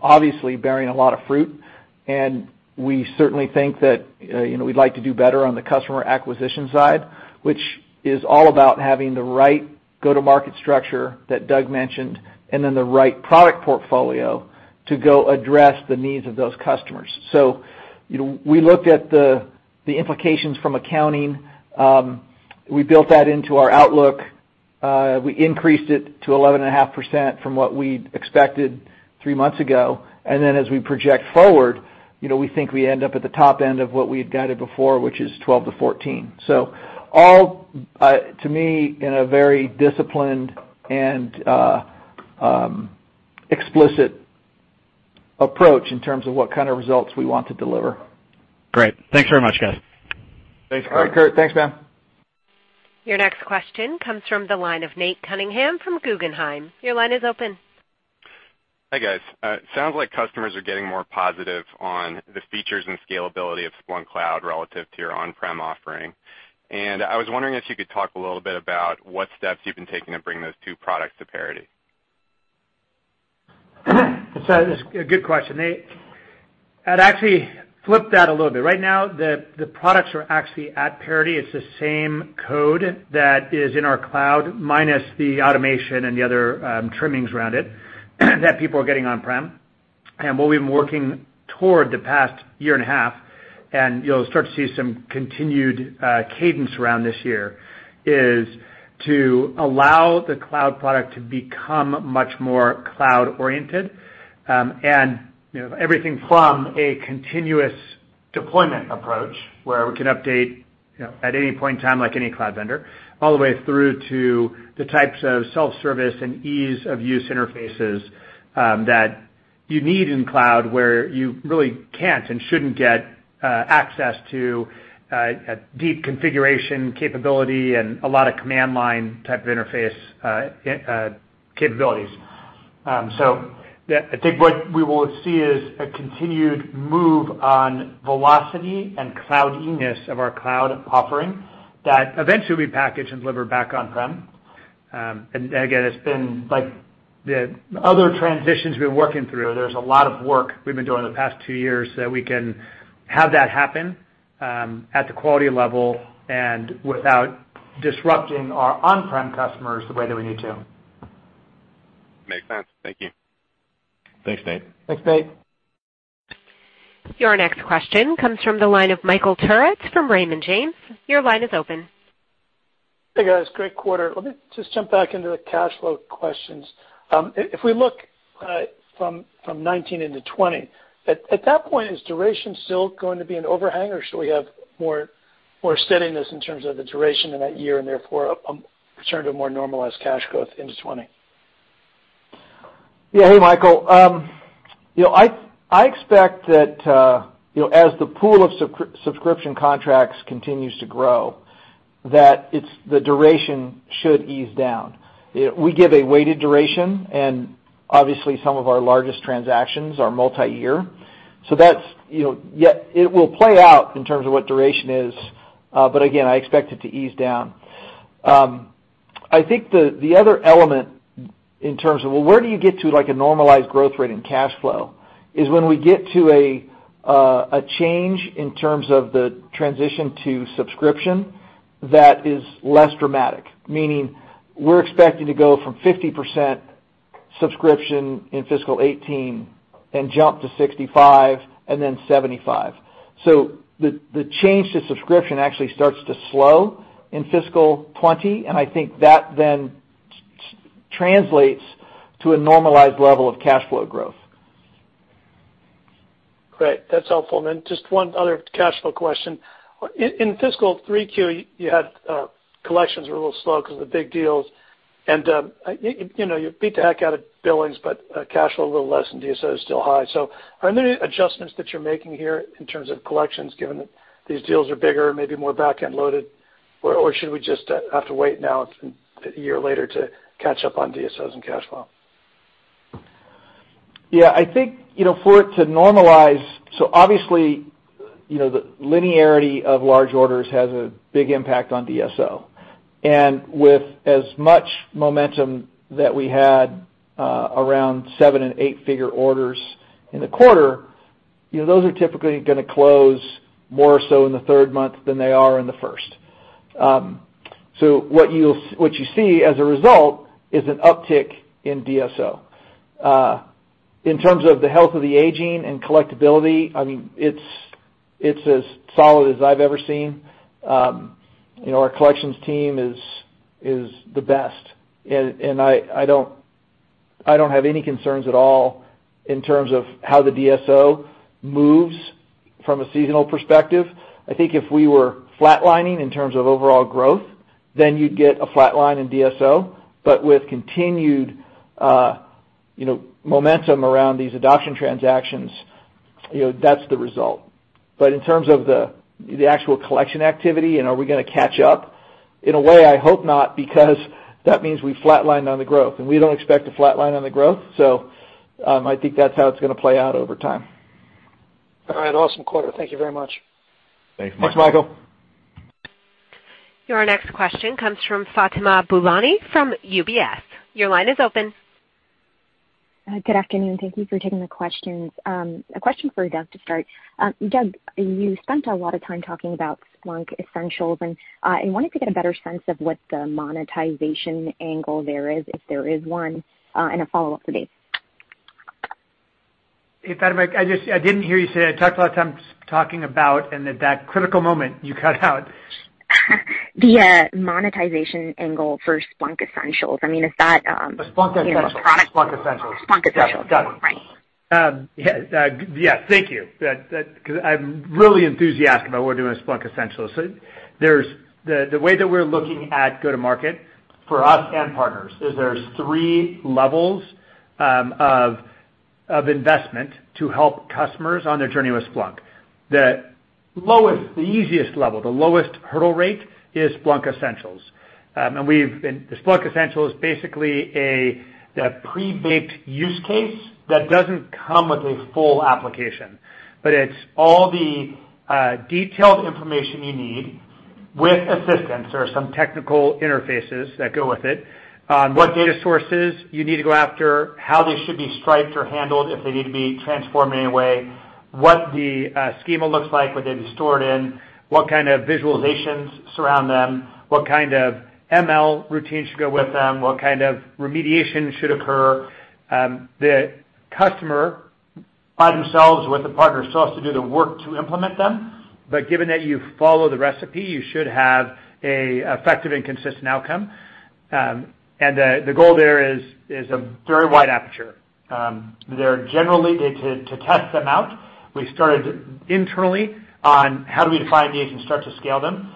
obviously bearing a lot of fruit, and we certainly think that we'd like to do better on the customer acquisition side, which is all about having the right go-to-market structure that Doug mentioned, then the right product portfolio to go address the needs of those customers. We looked at the implications from accounting. We built that into our outlook. We increased it to 11.5% from what we'd expected three months ago. As we project forward, we think we end up at the top end of what we had guided before, which is 12%-14%. All, to me, in a very disciplined and explicit approach in terms of what kind of results we want to deliver. Great. Thanks very much, guys. Thanks, Kirk. All right, Kirk. Thanks, man. Your next question comes from the line of Nate Cunningham from Guggenheim. Your line is open. Hi, guys. Sounds like customers are getting more positive on the features and scalability of Splunk Cloud relative to your on-prem offering. I was wondering if you could talk a little bit about what steps you've been taking to bring those two products to parity. It's a good question, Nate. I'd actually flip that a little bit. Right now, the products are actually at parity. It's the same code that is in our cloud, minus the automation and the other trimmings around it that people are getting on-prem. What we've been working toward the past year and a half, and you'll start to see some continued cadence around this year, is to allow the cloud product to become much more cloud-oriented, and everything from a continuous deployment approach, where we can update at any point in time like any cloud vendor, all the way through to the types of self-service and ease-of-use interfaces that you need in cloud where you really can't and shouldn't get access to deep configuration capability and a lot of command line type of interface capabilities. I think what we will see is a continued move on velocity and cloudiness of our cloud offering that eventually we package and deliver back on-prem. Again, it's been like the other transitions we're working through. There's a lot of work we've been doing the past two years so that we can have that happen at the quality level and without disrupting our on-prem customers the way that we need to. Makes sense. Thank you. Thanks, Nate. Thanks, Nate Cunningham. Your next question comes from the line of Michael Turits from Raymond James. Your line is open. Hey, guys. Great quarter. Let me just jump back into the cash flow questions. If we look from 2019 into 2020, at that point, is duration still going to be an overhang, or should we have more steadiness in terms of the duration in that year and therefore return to a more normalized cash growth into 2020? Yeah. Hey, Michael. I expect that as the pool of subscription contracts continues to grow, that the duration should ease down. We give a weighted duration, and obviously some of our largest transactions are multi-year. It will play out in terms of what duration is, but again, I expect it to ease down. I think the other element in terms of where do you get to a normalized growth rate in cash flow is when we get to a change in terms of the transition to subscription that is less dramatic, meaning we're expecting to go from 50% subscription in fiscal 2018 and jump to 65% and then 75%. The change to subscription actually starts to slow in fiscal 2020, and I think that then translates to a normalized level of cash flow growth. Great. That's helpful. Just one other cash flow question. In fiscal 3Q, you had collections were a little slow because of the big deals, you beat the heck out of billings, cash flow a little less than DSO is still high. Are there any adjustments that you're making here in terms of collections, given that these deals are bigger, maybe more back-end loaded? Should we just have to wait now a year later to catch up on DSOs and cash flow? I think for it to normalize, the linearity of large orders has a big impact on DSO. With as much momentum that we had around 7- and 8-figure orders in the quarter, those are typically going to close more so in the third month than they are in the first. What you see as a result is an uptick in DSO. In terms of the health of the aging and collectibility, it's as solid as I've ever seen. Our collections team is the best, I don't have any concerns at all in terms of how the DSO moves from a seasonal perspective. I think if we were flatlining in terms of overall growth, you'd get a flatline in DSO. With continued momentum around these adoption transactions, that's the result. In terms of the actual collection activity and are we going to catch up, in a way, I hope not because that means we've flatlined on the growth, we don't expect to flatline on the growth. I think that's how it's going to play out over time. All right. Awesome quarter. Thank you very much. Thanks, Michael. Thanks, Michael. Your next question comes from Fatima Boolani from UBS. Your line is open. Good afternoon. Thank you for taking the questions. A question for Doug to start. Doug, you spent a lot of time talking about Splunk Essentials, and I wanted to get a better sense of what the monetization angle there is, if there is one, and a follow-up to Dave. Hey, Fatima. I didn't hear you say I talked a lot of times talking about, and at that critical moment, you cut out. The monetization angle for Splunk Essentials. Splunk Essentials. A product- Splunk Essentials. Splunk Essentials. Got it. Right. Yes. Thank you. I'm really enthusiastic about what we're doing with Splunk Essentials. The way that we're looking at go-to-market for us and partners is there's 3 levels of investment to help customers on their journey with Splunk. The lowest, the easiest level, the lowest hurdle rate is Splunk Essentials. Splunk Essential is basically a pre-baked use case that doesn't come with a full application. It's all the detailed information you need with assistance or some technical interfaces that go with it on what data sources you need to go after, how they should be striped or handled, if they need to be transformed in any way, what the schema looks like, what they'd be stored in, what kind of visualizations surround them, what kind of ML routines should go with them, what kind of remediation should occur. The customer, by themselves with a partner, still has to do the work to implement them. Given that you follow the recipe, you should have an effective and consistent outcome. The goal there is a very wide aperture. They're generally to test them out. We started internally on how do we define these and start to scale them.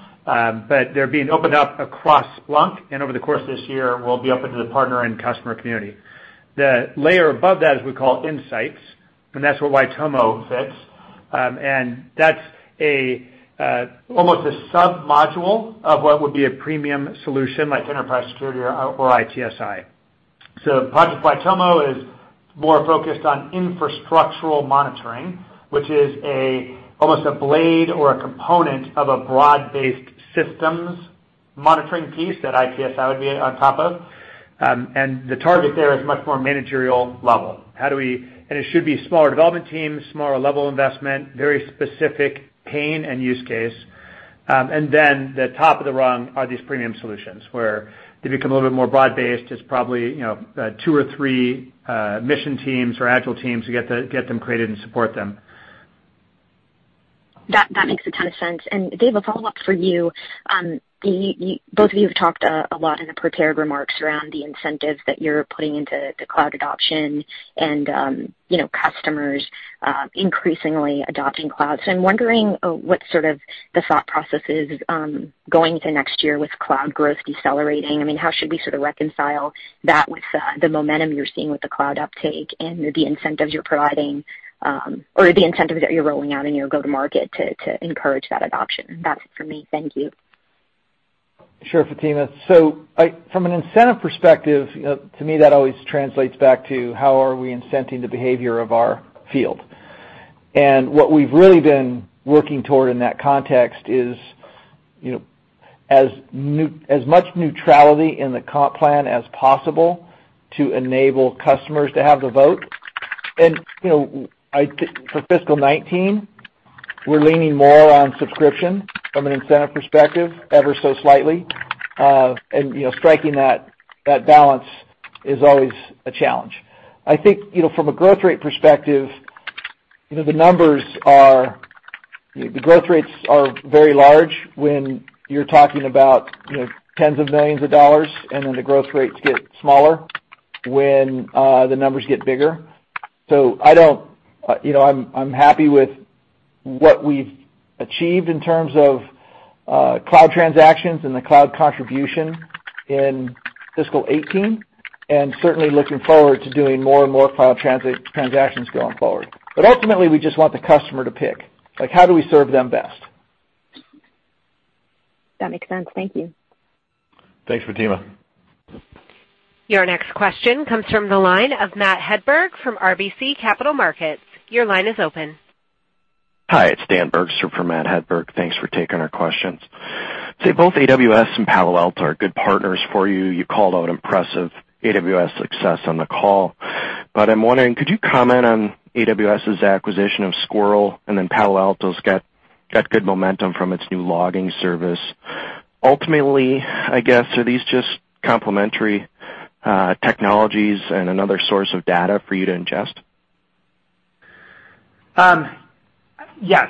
They're being opened up across Splunk, and over the course of this year, we'll be open to the partner and customer community. The layer above that is we call Splunk Insights, and that's where Project Waitomo fits. That's almost a sub-module of what would be a premium solution like Enterprise Security or ITSI. Project Waitomo is more focused on infrastructural monitoring, which is almost a blade or a component of a broad-based systems monitoring piece that ITSI would be on top of. The target there is much more managerial level. It should be smaller development teams, smaller level investment, very specific pain and use case. Then the top of the rung are these premium solutions, where they become a little bit more broad-based. It's probably two or three mission teams or agile teams to get them created and support them. That makes a ton of sense. Dave, a follow-up for you. Both of you have talked a lot in the prepared remarks around the incentives that you're putting into the cloud adoption and customers increasingly adopting cloud. I'm wondering what sort of the thought process is going into next year with cloud growth decelerating. How should we sort of reconcile that with the momentum you're seeing with the cloud uptake and the incentives you're providing, or the incentives that you're rolling out in your go-to-market to encourage that adoption? That's it for me. Thank you. Sure, Fatima. From an incentive perspective, to me, that always translates back to how are we incenting the behavior of our field. What we've really been working toward in that context is as much neutrality in the comp plan as possible to enable customers to have the vote. For fiscal 2019, we're leaning more on subscription from an incentive perspective ever so slightly. Striking that balance is always a challenge. I think from a growth rate perspective, the growth rates are very large when you're talking about tens of millions of dollars, and then the growth rates get smaller when the numbers get bigger. I'm happy with what we've achieved in terms of cloud transactions and the cloud contribution in fiscal 2018, and certainly looking forward to doing more and more cloud transactions going forward. Ultimately, we just want the customer to pick. Like, how do we serve them best? That makes sense. Thank you. Thanks, Fatima. Your next question comes from the line of Matt Hedberg from RBC Capital Markets. Your line is open. Hi, it's Dan Bergstrom for Matt Hedberg. Thanks for taking our questions. Both AWS and Palo Alto are good partners for you. You called out impressive AWS success on the call. I'm wondering, could you comment on AWS's acquisition of Sqrrl, and then Palo Alto's got good momentum from its new logging service. Ultimately, I guess, are these just complementary technologies and another source of data for you to ingest? Yes.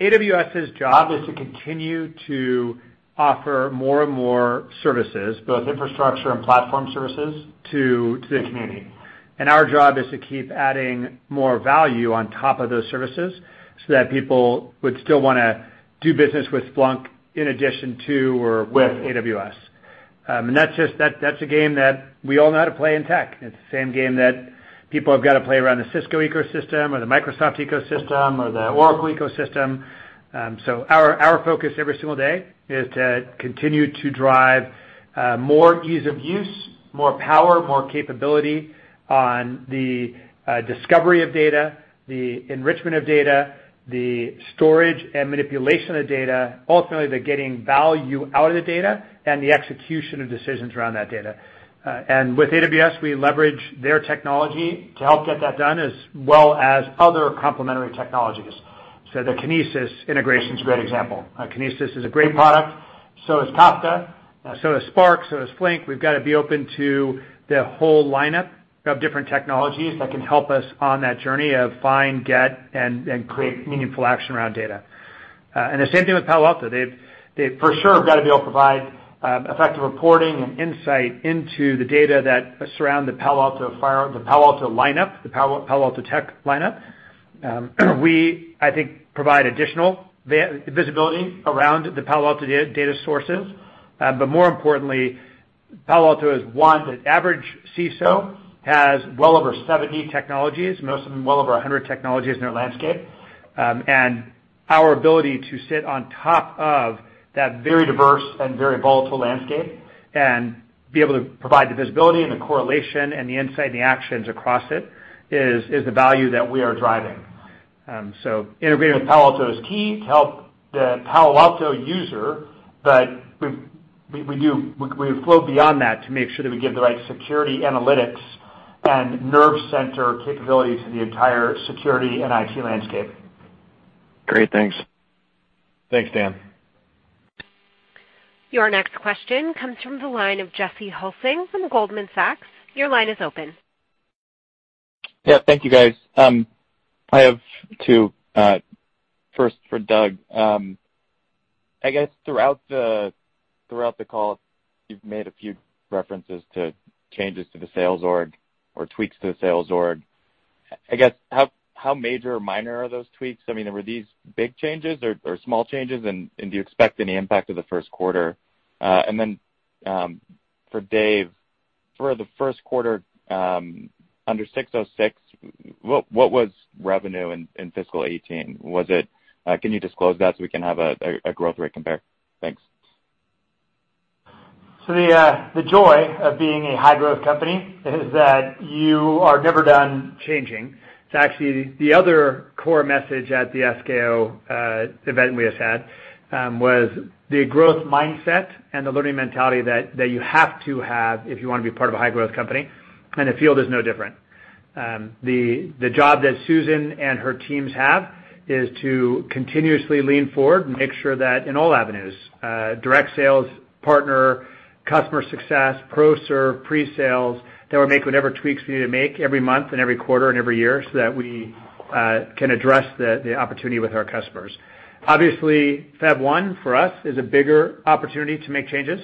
AWS's job is to continue to offer more and more services, both infrastructure and platform services, to the community. Our job is to keep adding more value on top of those services so that people would still want to do business with Splunk in addition to or with AWS. That's a game that we all know how to play in tech. It's the same game that people have got to play around the Cisco ecosystem or the Microsoft ecosystem or the Oracle ecosystem. Our focus every single day is to continue to drive more ease of use, more power, more capability on the discovery of data, the enrichment of data, the storage and manipulation of data, ultimately the getting value out of the data, and the execution of decisions around that data. With AWS, we leverage their technology to help get that done as well as other complementary technologies. The Kinesis integration's a great example. Kinesis is a great product. Is Kafka. Is Spark. Is Flink. We've got to be open to the whole lineup of different technologies that can help us on that journey of find, get, and create meaningful action around data. The same thing with Palo Alto. They, for sure, have got to be able to provide effective reporting and insight into the data that surround the Palo Alto tech lineup. We, I think, provide additional visibility around the Palo Alto data sources. More importantly, Palo Alto is one that average CISO has well over 70 technologies, most of them well over 100 technologies in their landscape. Our ability to sit on top of that very diverse and very volatile landscape and be able to provide the visibility and the correlation and the insight and the actions across it is the value that we are driving. Integrating with Palo Alto is key to help the Palo Alto user, we float beyond that to make sure that we give the right security analytics and nerve center capability to the entire security and IT landscape. Great. Thanks. Thanks, Dan. Your next question comes from the line of Jesse Hulsing from Goldman Sachs. Your line is open. Yeah. Thank you, guys. I have two. First for Doug. I guess throughout the call, you've made a few references to changes to the sales org or tweaks to the sales org. I guess, how major or minor are those tweaks? I mean, were these big changes or small changes, and do you expect any impact to the first quarter? For Dave, for the first quarter, under 606, what was revenue in fiscal 2018? Can you disclose that so we can have a growth rate compare? Thanks. The joy of being a high-growth company is that you are never done changing. It's actually the other core message at the SKO event we just had, was the growth mindset and the learning mentality that you have to have if you want to be part of a high-growth company, and the field is no different. The job that Susan and her teams have is to continuously lean forward and make sure that in all avenues, direct sales, partner, customer success, pro serve, pre-sales, that we make whatever tweaks we need to make every month and every quarter and every year so that we can address the opportunity with our customers. Obviously, February 1 for us is a bigger opportunity to make changes.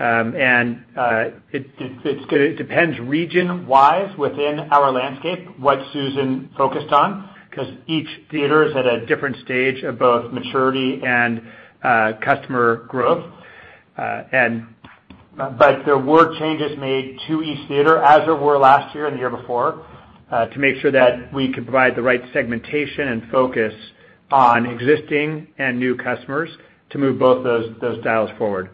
It depends region-wise within our landscape, what Susan focused on, because each theater is at a different stage of both maturity and customer growth. There were changes made to each theater, as there were last year and the year before, to make sure that we could provide the right segmentation and focus on existing and new customers to move both those dials forward.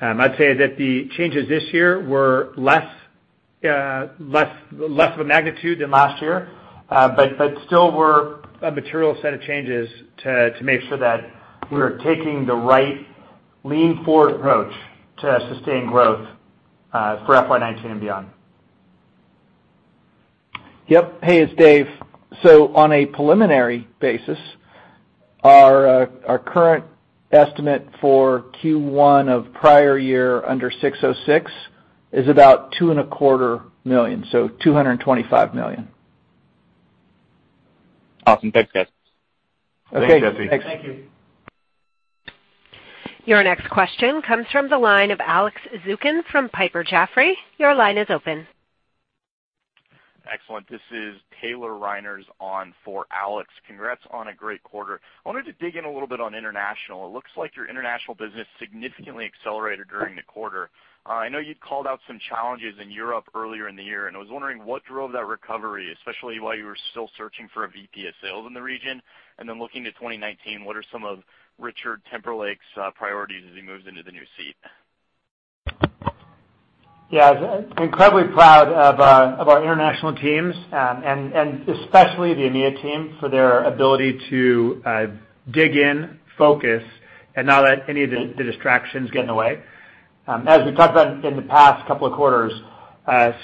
I'd say that the changes this year were less of a magnitude than last year, but still were a material set of changes to make sure that we're taking the right lean forward approach to sustain growth for FY 2019 and beyond. Yep. Hey, it's Dave. On a preliminary basis, our current estimate for Q1 of prior year under 606 is about two and a quarter million, so $225 million. Awesome. Thanks, guys. Okay. Thanks, Jesse. Thank you. Your next question comes from the line of Alex Zukin from Piper Jaffray. Your line is open. Excellent. This is Taylor Reiners on for Alex. Congrats on a great quarter. I wanted to dig in a little bit on international. It looks like your international business significantly accelerated during the quarter. I know you'd called out some challenges in Europe earlier in the year, and I was wondering what drove that recovery, especially while you were still searching for a VP of sales in the region, and then looking to 2019, what are some of Richard Timperlake's priorities as he moves into the new seat? Yeah. Incredibly proud of our international teams, especially the EMEA team for their ability to dig in, focus, and not let any of the distractions get in the way. As we talked about in the past couple of quarters,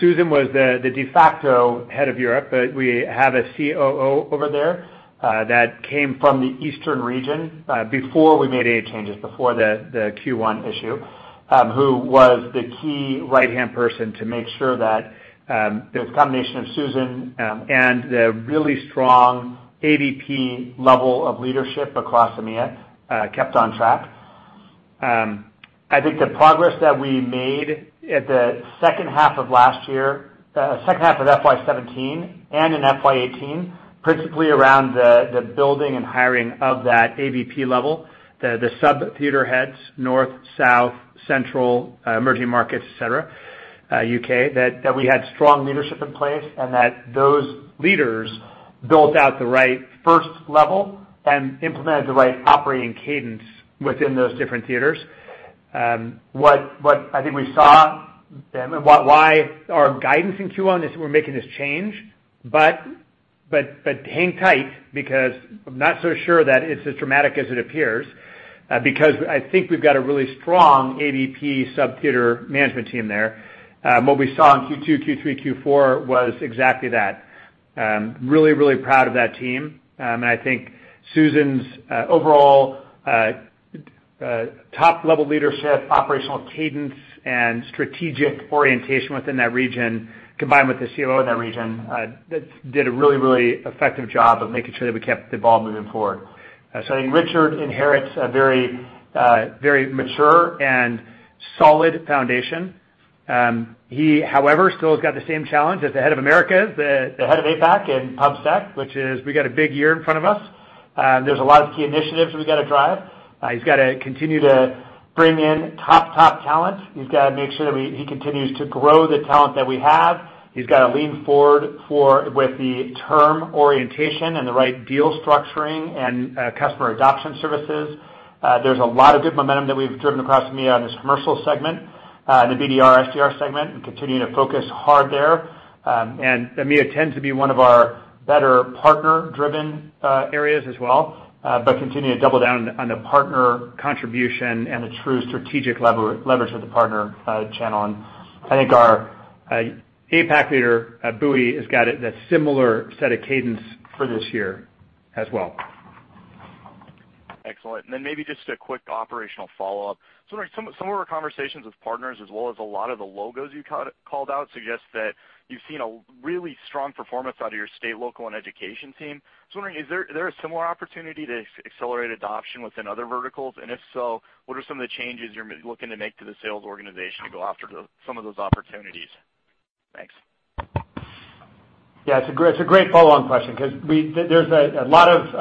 Susan was the de facto head of Europe, but we have a COO over there that came from the eastern region before we made any changes, before the Q1 issue, who was the key right-hand person to make sure that the combination of Susan and the really strong AVP level of leadership across EMEA kept on track. I think the progress that we made at the second half of FY 2017 and in FY 2018, principally around the building and hiring of that AVP level, the sub-theater heads, north, south, central, emerging markets, et cetera, U.K., that we had strong leadership in place and that those leaders built out the right first level and implemented the right operating cadence within those different theaters. What I think we saw, why our guidance in Q1 is we're making this change, but hang tight because I'm not so sure that it's as dramatic as it appears, because I think we've got a really strong AVP sub-theater management team there. What we saw in Q2, Q3, Q4 was exactly that. Really proud of that team. I think Susan's overall top-level leadership, operational cadence, and strategic orientation within that region, combined with the COO in that region, that did a really effective job of making sure that we kept the ball moving forward. I think Richard inherits a very mature and solid foundation. He, however, still has got the same challenge as the head of Americas, the head of APAC in PubSec, which is we got a big year in front of us. There's a lot of key initiatives we got to drive. He's got to continue to bring in top talent. He's got to make sure that he continues to grow the talent that we have. He's got to lean forward with the term orientation and the right deal structuring and customer adoption services. There's a lot of good momentum that we've driven across EMEA on this commercial segment, the BDR, SDR segment, and continuing to focus hard there. EMEA tends to be one of our better partner-driven areas as well, but continue to double down on the partner contribution and the true strategic leverage of the partner channel. I think our APAC leader, Bui, has got a similar set of cadence for this year as well. Excellent. Maybe just a quick operational follow-up. Some of our conversations with partners, as well as a lot of the logos you called out, suggest that you've seen a really strong performance out of your state, local, and education team. I'm wondering, is there a similar opportunity to accelerate adoption within other verticals? If so, what are some of the changes you're looking to make to the sales organization to go after some of those opportunities? Thanks. Yeah, it's a great follow-on question because there's a lot of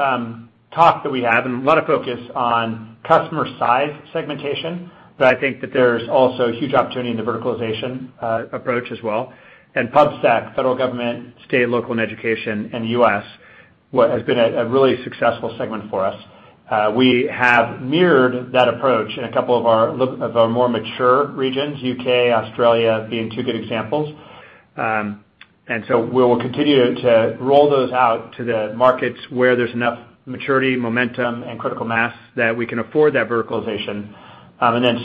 talk that we have and a lot of focus on customer size segmentation, I think that there's also a huge opportunity in the verticalization approach as well. PubSec, federal, government, state, local, and education in the U.S., what has been a really successful segment for us. We have mirrored that approach in a couple of our more mature regions, U.K., Australia being two good examples. We will continue to roll those out to the markets where there's enough maturity, momentum, and critical mass that we can afford that verticalization.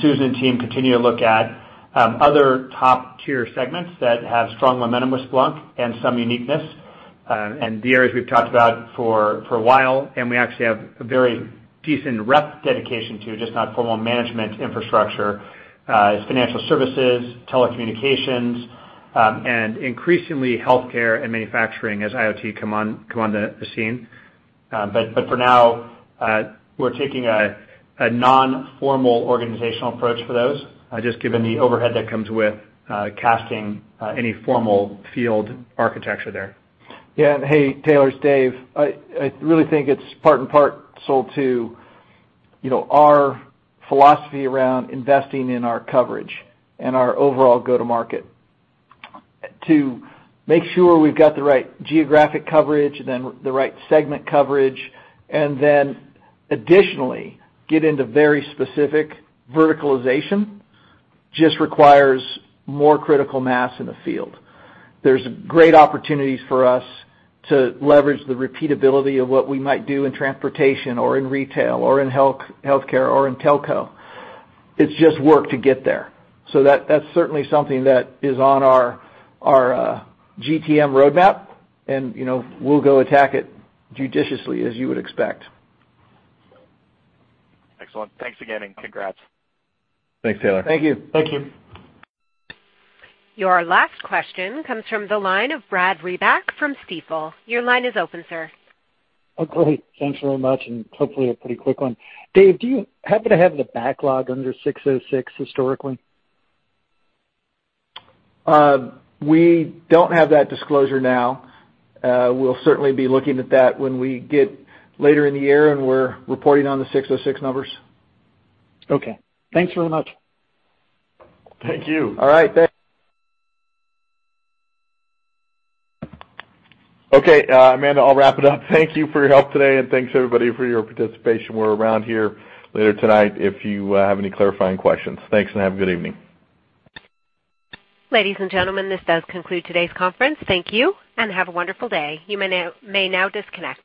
Susan and team continue to look at other top-tier segments that have strong momentum with Splunk and some uniqueness. The areas we've talked about for a while, and we actually have a very decent rep dedication to, just not formal management infrastructure, is financial services, telecommunications, and increasingly healthcare and manufacturing as IoT come on the scene. For now, we're taking a non-formal organizational approach for those, just given the overhead that comes with casting any formal field architecture there. Yeah. Hey, Taylor, it's Dave. I really think it's part and parcel to our philosophy around investing in our coverage and our overall go-to-market. To make sure we've got the right geographic coverage, then the right segment coverage, and then additionally get into very specific verticalization just requires more critical mass in the field. There's great opportunities for us to leverage the repeatability of what we might do in transportation or in retail or in healthcare or in telco. It's just work to get there. That's certainly something that is on our GTM roadmap, and we'll go attack it judiciously, as you would expect. Excellent. Thanks again, and congrats. Thanks, Taylor. Thank you. Thank you. Your last question comes from the line of Brad Reback from Stifel. Your line is open, sir. Oh, great. Thanks very much, and hopefully a pretty quick one. Dave, do you happen to have the backlog under 606 historically? We don't have that disclosure now. We'll certainly be looking at that when we get later in the year and we're reporting on the 606 numbers. Okay. Thanks very much. Thank you. All right, thanks. Okay, Amanda, I'll wrap it up. Thank you for your help today, thanks everybody for your participation. We're around here later tonight if you have any clarifying questions. Thanks, have a good evening. Ladies and gentlemen, this does conclude today's conference. Thank you, have a wonderful day. You may now disconnect.